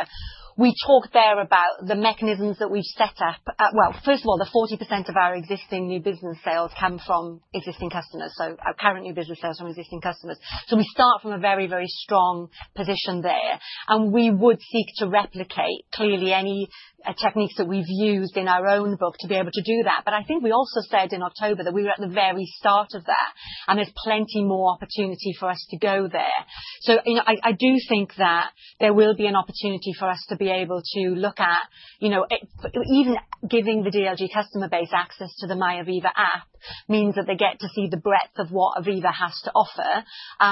we talked there about the mechanisms that we've set up. Well, first of all, the 40% of our existing new business sales come from existing customers, so our current new business sales from existing customers. So we start from a very, very strong position there, and we would seek to replicate, clearly, any techniques that we've used in our own book to be able to do that. But I think we also said in October that we were at the very start of that, and there's plenty more opportunity for us to go there. So, you know, I do think that there will be an opportunity for us to be able to look at, you know, even giving the DLG customer base access to the MyAviva app means that they get to see the breadth of what Aviva has to offer,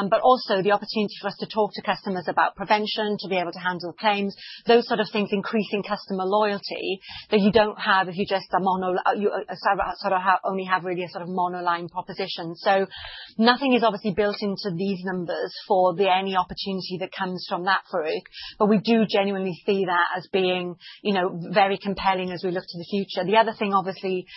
but also the opportunity for us to talk to customers about prevention, to be able to handle claims. Those sort of things increasing customer loyalty that you don't have if you're just a monoline, you sort of only have really a sort of monoline proposition. So nothing is obviously built into these numbers for the any opportunity that comes from that, Farooq, but we do genuinely see that as being, you know, very compelling as we look to the future. The other thing, obviously,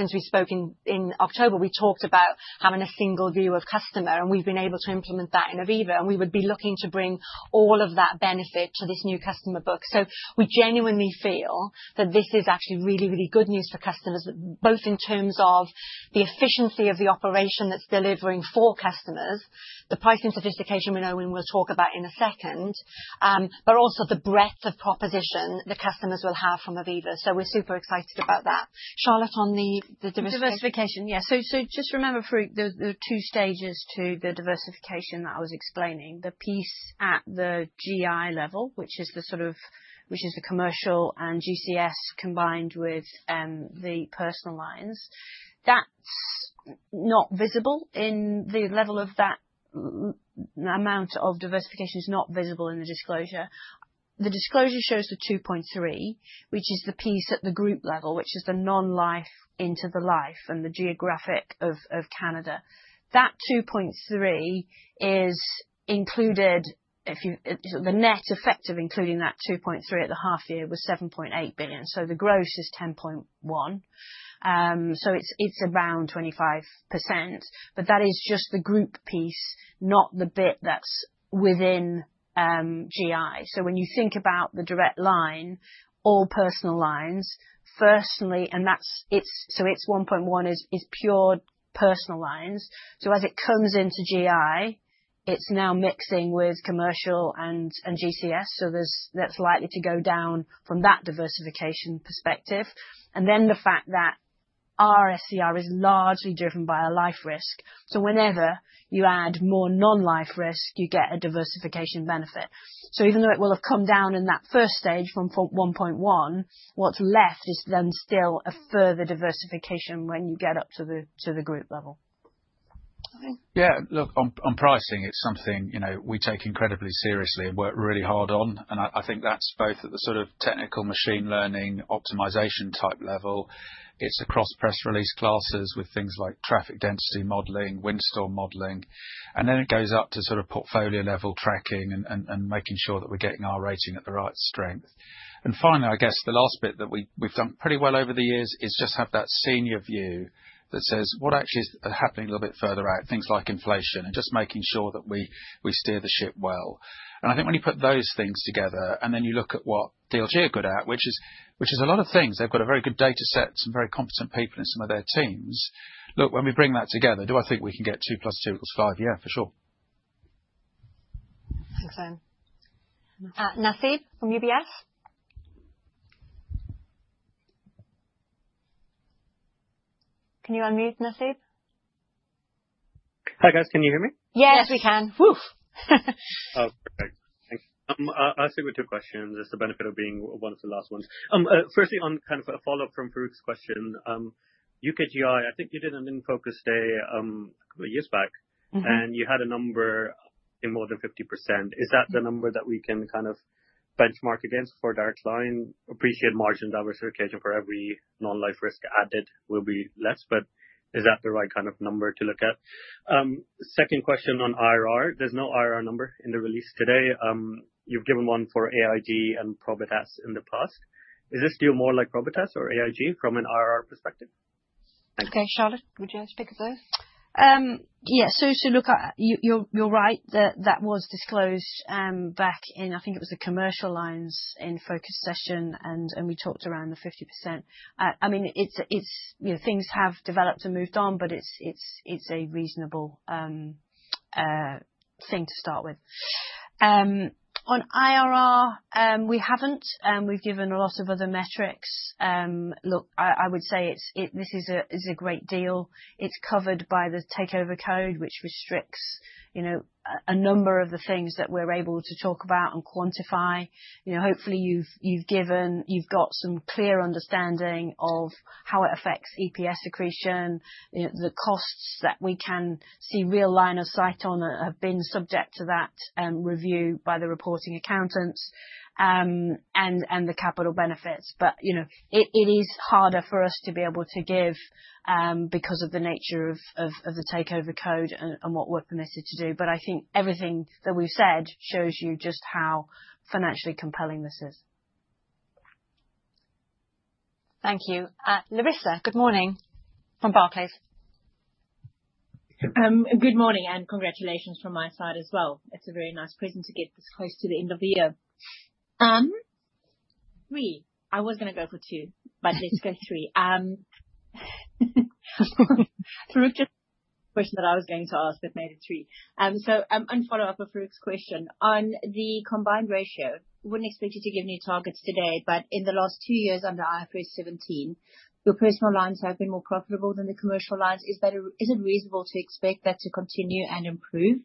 since we spoke in October, we talked about having a single view of customer, and we've been able to implement that in Aviva, and we would be looking to bring all of that benefit to this new customer book. So we genuinely feel that this is actually really, really good news for customers, both in terms of the efficiency of the operation that's delivering for customers, the pricing sophistication, we know and we'll talk about in a second, but also the breadth of proposition the customers will have from Aviva. So we're super excited about that. Charlotte, on the diversi- Diversification. Yeah. So, just remember, Farooq, the two stages to the diversification that I was explaining, the piece at the GI level, which is the sort of which is the commercial and GCS combined with the personal lines. That's not visible in the level of that amount of diversification is not visible in the disclosure. The disclosure shows the 2.3, which is the piece at the group level, which is the non-life into the life and the geographic of Canada. That 2.3 is included if you the net effect of including that 2.3 at the half year was 7.8 billion, so the gross is 10.1 billion. So it's around 25%, but that is just the group piece, not the bit that's within GI. So when you think about the Direct Line or personal lines, firstly, and that's it—so it's 1.1 is pure personal lines. So as it comes into GI, it's now mixing with commercial and GCS, so that's likely to go down from that diversification perspective. And then the fact that our SCR is largely driven by our life risk. So whenever you add more non-life risk, you get a diversification benefit. So even though it will have come down in that first stage from 1.1, what's left is then still a further diversification when you get up to the group level. Owen. Yeah. Look, on, on pricing, it's something, you know, we take incredibly seriously and work really hard on, and I, I think that's both at the sort of technical machine learning, optimization type level. It's across press release classes with things like traffic density modeling, windstorm modeling, and then it goes up to sort of portfolio level tracking and, and, and making sure that we're getting our rating at the right strength. And finally, I guess the last bit that we, we've done pretty well over the years is just have that senior view that says: What actually is happening a little bit further out? Things like inflation and just making sure that we, we steer the ship well. And I think when you put those things together, and then you look at what DLG are good at, which is, which is a lot of things. They've got a very good data set, some very competent people in some of their teams. Look, when we bring that together, do I think we can get two plus two equals five? Yeah, for sure. Thanks, Owen. Nasib from UBS? Can you unmute, Nasib? Hi, guys. Can you hear me? Yes, we can. Yes, we can. Woof! Oh, perfect. Thank you. I'll stick with two questions. It's the benefit of being one of the last ones. Firstly, on kind of a follow-up from Farooq's question, UK GI, I think you did an In Focus day, a couple years back. Mm-hmm. You had a number in more than 50%. Mm-hmm. Is that the number that we can kind of benchmark against for Direct Line? Appreciate margin diversification for every non-life risk added will be less, but is that the right kind of number to look at? Second question on IRR. There's no IRR number in the release today. You've given one for AIG and Probitas in the past. Is this deal more like Probitas or AIG from an IRR perspective? Okay, Charlotte, would you like to take those? Yeah. So, look, you, you're right that that was disclosed back in, I think it was the Commercial Lines In Focus session, and we talked around the 50%. I mean, it's... You know, things have developed and moved on, but it's a reasonable thing to start with. On IRR, we haven't. We've given a lot of other metrics. Look, I would say it's, this is a great deal. It's covered by the Takeover Code, which restricts, you know, a number of the things that we're able to talk about and quantify. You know, hopefully you've got some clear understanding of how it affects EPS accretion. You know, the costs that we can see real line of sight on have been subject to that review by the reporting accountants, and the capital benefits. But, you know, it is harder for us to be able to give, because of the nature of the takeover code and what we're permitted to do. But I think everything that we've said shows you just how financially compelling this is. Thank you. Larissa, good morning, from Barclays. Good morning, and congratulations from my side as well. It's a very nice present to get this close to the end of the year. Three. I was gonna go for two, but let's go three. Farooq just... the question that I was going to ask, that made it three. On follow-up of Farooq's question, on the Combined Ratio, wouldn't expect you to give new targets today, but in the last two years under IFRS 17, your personal lines have been more profitable than the commercial lines. Is that a... Is it reasonable to expect that to continue and improve?...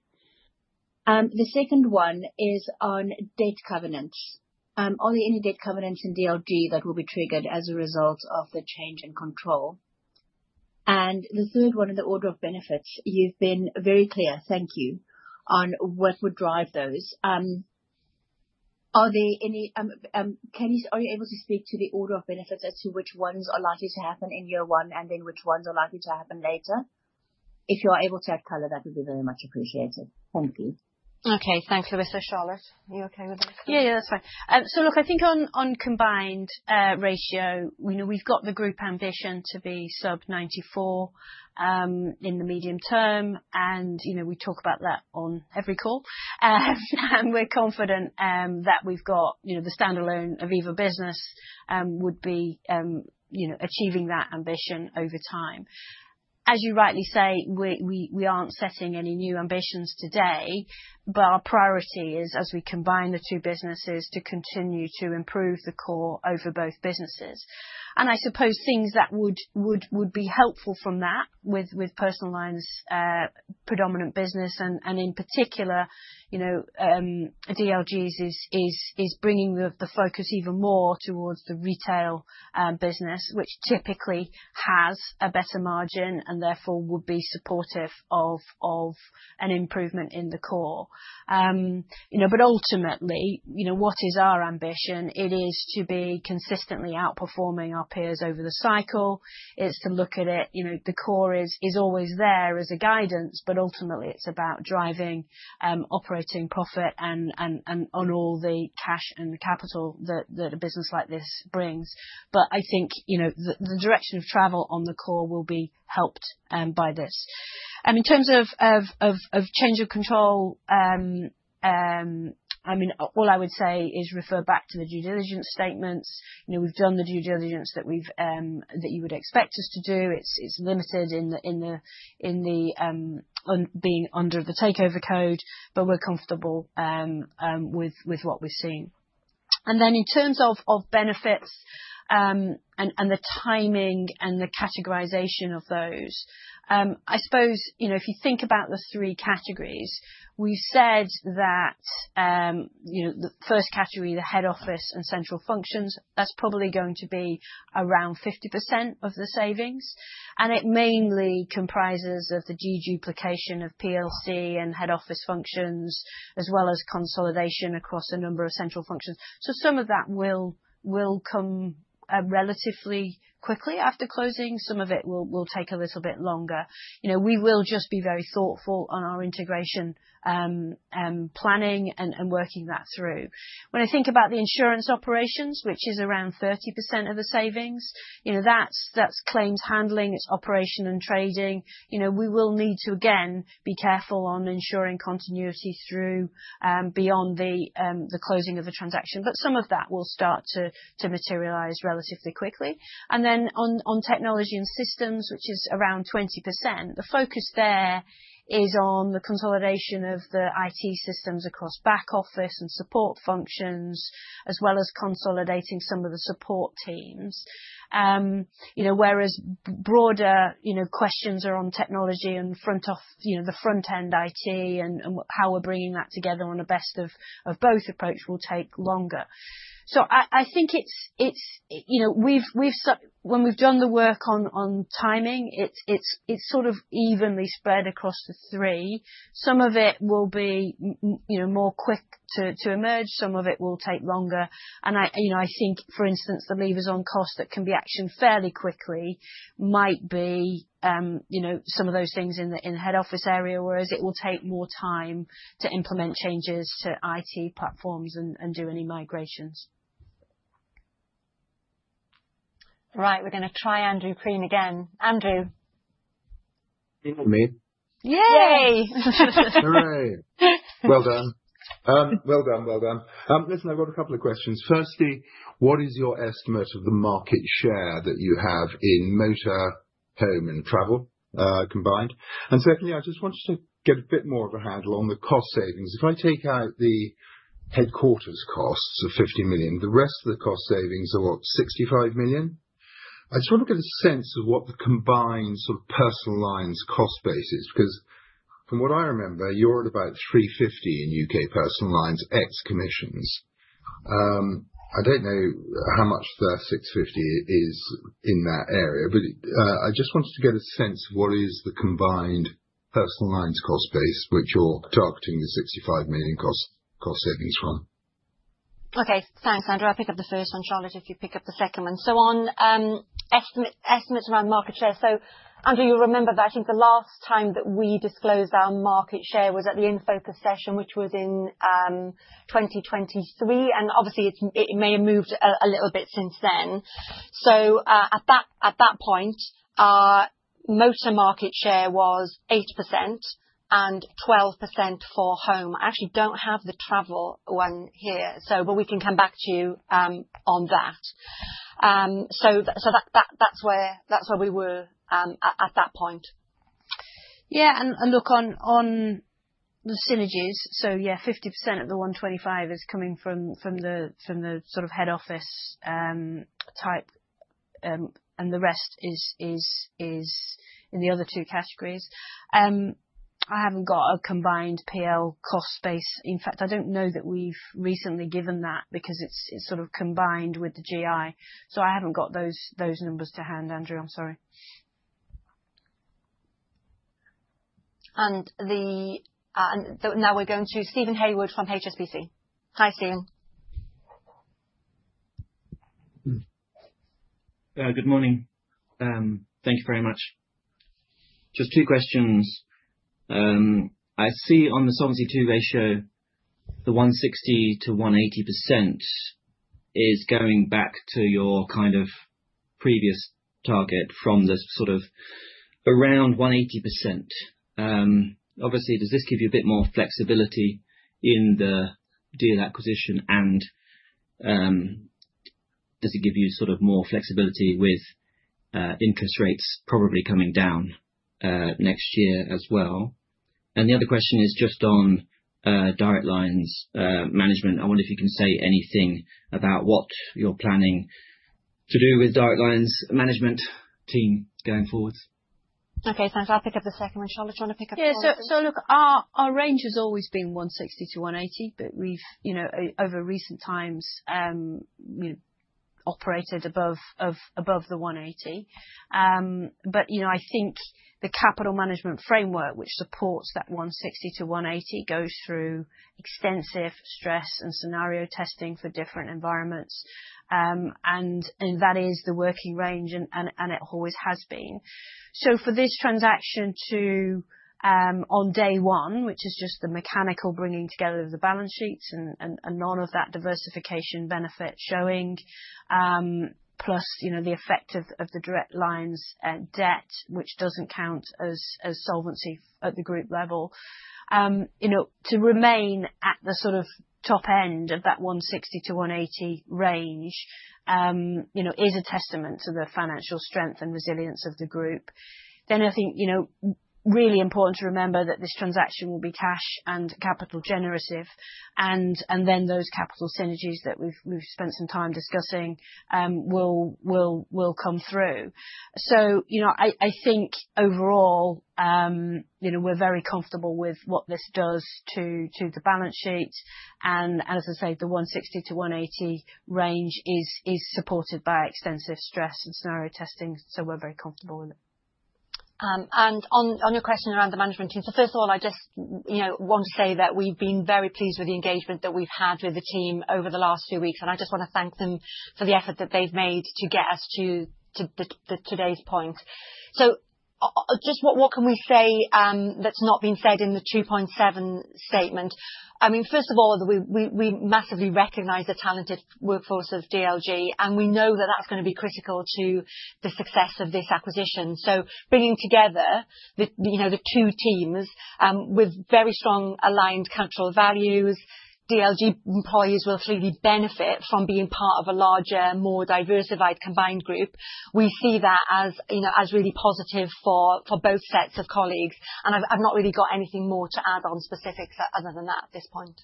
The second one is on debt covenants. Are there any debt covenants in DLG that will be triggered as a result of the change in control? And the third one, on the order of benefits. You've been very clear, thank you, on what would drive those. Are you able to speak to the order of benefit as to which ones are likely to happen in year one, and then which ones are likely to happen later? If you are able to add color, that would be very much appreciated. Thank you. Okay. Thanks, Larissa. Charlotte, are you okay with this? Yeah, yeah, that's fine. So look, I think on combined ratio, you know, we've got the group ambition to be sub 94 in the medium term, and, you know, we talk about that on every call. And we're confident that we've got, you know, the standalone Aviva business would be, you know, achieving that ambition over time. As you rightly say, we aren't setting any new ambitions today, but our priority is, as we combine the two businesses, to continue to improve the core over both businesses. I suppose things that would be helpful from that, with personal lines predominant business, and in particular, you know, DLG's is bringing the focus even more towards the retail business, which typically has a better margin, and therefore would be supportive of an improvement in the core. You know, but ultimately, you know, what is our ambition? It is to be consistently outperforming our peers over the cycle. It's to look at it, you know, the core is always there as a guidance, but ultimately, it's about driving operating profit and on all the cash and capital that a business like this brings. But I think, you know, the direction of travel on the core will be helped by this. And in terms of change of control, I mean, all I would say is refer back to the due diligence statements. You know, we've done the due diligence that we've that you would expect us to do. It's limited in the on being under the takeover code, but we're comfortable with what we've seen. And then in terms of benefits, and the timing and the categorization of those, I suppose, you know, if you think about the three categories, we've said that, you know, the first category, the head office and central functions, that's probably going to be around 50% of the savings, and it mainly comprises of the de-duplication of PLC and head office functions, as well as consolidation across a number of central functions. So some of that will come relatively quickly after closing. Some of it will take a little bit longer. You know, we will just be very thoughtful on our integration planning and working that through. When I think about the insurance operations, which is around 30% of the savings, you know, that's claims handling, it's operation and trading. You know, we will need to again be careful on ensuring continuity through beyond the closing of the transaction, but some of that will start to materialize relatively quickly. And then on technology and systems, which is around 20%, the focus there is on the consolidation of the IT systems across back office and support functions, as well as consolidating some of the support teams. You know, whereas broader, you know, questions are on technology and front end IT and how we're bringing that together on a best of both approach will take longer. So I think it's... You know, we've done the work on timing, it's sort of evenly spread across the three. Some of it will be, you know, more quick to emerge, some of it will take longer. And I, you know, I think, for instance, the levers on cost that can be actioned fairly quickly might be, you know, some of those things in the head office area, whereas it will take more time to implement changes to IT platforms and do any migrations. Right. We're gonna try Andrew Crean again. Andrew? You can hear me? Yay! Yay. Hooray! Well done. Well done, well done. Listen, I've got a couple of questions. Firstly, what is your estimate of the market share that you have in motor, home, and travel, combined? And secondly, I just wanted to get a bit more of a handle on the cost savings. If I take out the headquarters costs of 50 million, the rest of the cost savings are, what? 65 million? I just want to get a sense of what the combined, sort of, personal lines cost base is, because from what I remember, you're at about 350 million in UK personal lines, ex commissions. I don't know how much the 650 million is in that area, but, I just wanted to get a sense of what is the combined personal lines cost base, which you're targeting the 65 million cost savings from. Okay. Thanks, Andrew. I'll pick up the first one. Charlotte, if you pick up the second one. So on estimate around market share. So Andrew, you'll remember that I think the last time that we disclosed our market share was at the In Focus session, which was in 2023, and obviously, it may have moved a little bit since then. So at that point, our motor market share was 8% and 12% for home. I actually don't have the travel one here, so but we can come back to you on that. So that that's where we were at that point. Yeah, and, and look on, on the synergies. So yeah, 50% of the 125 is coming from, from the, from the sort of head office, and the rest is, is, is in the other two categories. I haven't got a combined PL cost base. In fact, I don't know that we've recently given that, because it's, it's sort of combined with the GI. So I haven't got those, those numbers to hand, Andrew. I'm sorry. And so now we're going to Steven Haywood from HSBC. Hi, Steven. Good morning. Thank you very much. Just two questions. I see on the Solvency II ratio, the 160%-180% is going back to your, kind of, previous target from the sort of around 180%. Obviously, does this give you a bit more flexibility in the deal acquisition, and, does it give you sort of more flexibility with, interest rates probably coming down, next year as well? The other question is just on, Direct Line's, management. I wonder if you can say anything about what you're planning to do with Direct Line's management team going forward. Okay, thanks. I'll pick up the second one. Charlotte, do you want to pick up the first? Yeah. So look, our range has always been 160-180, but we've, you know, over recent times, you know, operated above the 180. But, you know, I think the capital management framework, which supports that 160-180, goes through extensive stress and scenario testing for different environments. And that is the working range, and it always has been. So for this transaction, on day one, which is just the mechanical bringing together of the balance sheets and none of that diversification benefit showing, plus, you know, the effect of the Direct Line's debt, which doesn't count as solvency at the group level. You know, to remain at the sort of top end of that 160-180 range, you know, is a testament to the financial strength and resilience of the group. Then I think, you know, really important to remember that this transaction will be cash and capital generative, and then those capital synergies that we've spent some time discussing, will come through. So, you know, I think overall, you know, we're very comfortable with what this does to the balance sheet. And as I say, the 160-180 range is supported by extensive stress and scenario testing, so we're very comfortable with it. And on your question around the management team. So first of all, I just you know want to say that we've been very pleased with the engagement that we've had with the team over the last few weeks, and I just want to thank them for the effort that they've made to get us to the today's point. So just what can we say that's not been said in the 2.7 statement? I mean, first of all, we massively recognize the talented workforce of DLG, and we know that that's going to be critical to the success of this acquisition. So bringing together the you know the two teams with very strong aligned cultural values, DLG employees will clearly benefit from being part of a larger, more diversified, combined group. We see that as, you know, as really positive for both sets of colleagues, and I've not really got anything more to add on specifics, other than that, at this point.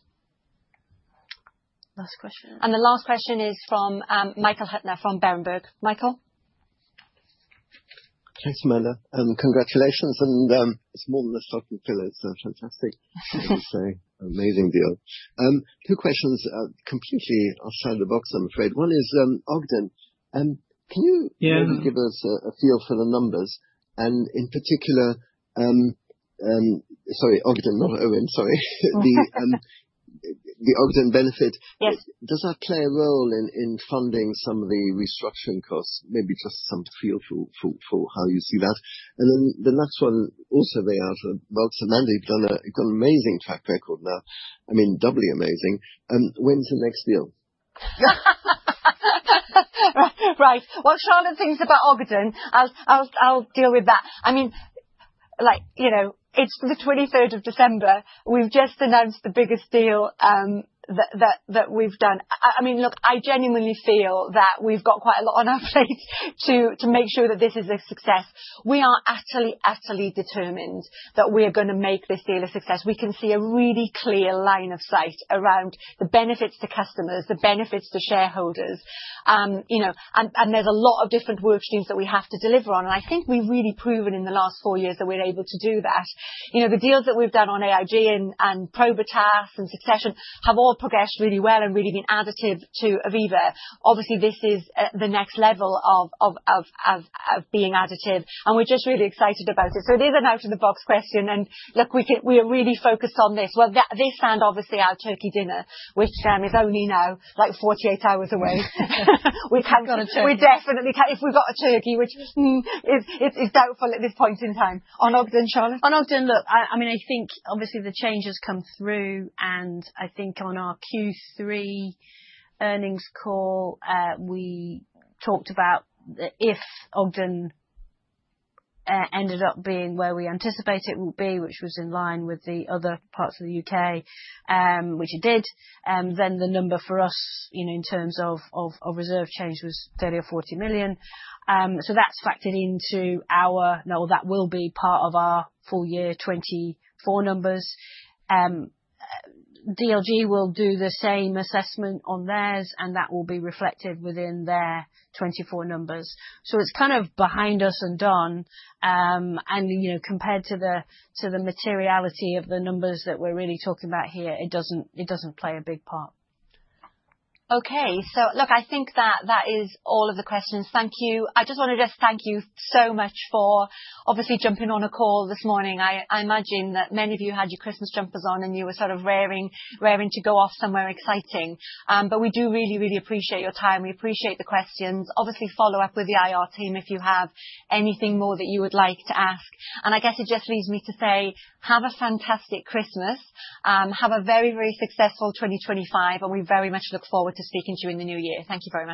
Last question. The last question is from Michael Huttner, from Berenberg. Michael? Thanks, Amanda, and congratulations. It's more than a stocking filler. It's fantastic. Amazing deal. Two questions, completely outside the box, I'm afraid. One is, Ogden. Can you- Yeah. Maybe give us a feel for the numbers and in particular, sorry, Ogden, not Owen. Sorry. The Ogden benefit. Yes. Does that play a role in funding some of the restructuring costs? Maybe just some feel for how you see that. And then the next one also way out, both Amanda, you've done a, you've got an amazing track record now. I mean, doubly amazing. When's the next deal? Right. While Charlotte thinks about Ogden, I'll deal with that. I mean, like, you know, it's the twenty-third of December. We've just announced the biggest deal that we've done. I mean, look, I genuinely feel that we've got quite a lot on our plate to make sure that this is a success. We are utterly, utterly determined that we are going to make this deal a success. We can see a really clear line of sight around the benefits to customers, the benefits to shareholders, you know, and there's a lot of different work streams that we have to deliver on, and I think we've really proven in the last four years that we're able to do that. You know, the deals that we've done on AIG and Probitas and Succession have all progressed really well and really been additive to Aviva. Obviously, this is the next level of being additive, and we're just really excited about it. So it is an out-of-the-box question, and look, we are really focused on this. Well, that... This, and obviously, our turkey dinner, which is only now, like, 48 hours away. We've got a turkey. We're definitely. If we've got a turkey, which is doubtful at this point in time. On Ogden, Charlotte? On Ogden, look, I mean, I think obviously the change has come through, and I think on our Q3 earnings call, we talked about the if Ogden ended up being where we anticipate it will be, which was in line with the other parts of the UK, which it did, then the number for us, you know, in terms of of reserve change was 30 or 40 million. So that's factored into our. No, that will be part of our full year 2024 numbers. DLG will do the same assessment on theirs, and that will be reflected within their 2024 numbers. So it's kind of behind us and done, and, you know, compared to the to the materiality of the numbers that we're really talking about here, it doesn't play a big part. Okay. So look, I think that, that is all of the questions. Thank you. I just want to just thank you so much for obviously jumping on a call this morning. I, I imagine that many of you had your Christmas jumpers on, and you were sort of raring, raring to go off somewhere exciting. But we do really, really appreciate your time. We appreciate the questions. Obviously, follow up with the IR team if you have anything more that you would like to ask. And I guess it just leaves me to say, have a fantastic Christmas. Have a very, very successful 2025, and we very much look forward to speaking to you in the new year. Thank you very much.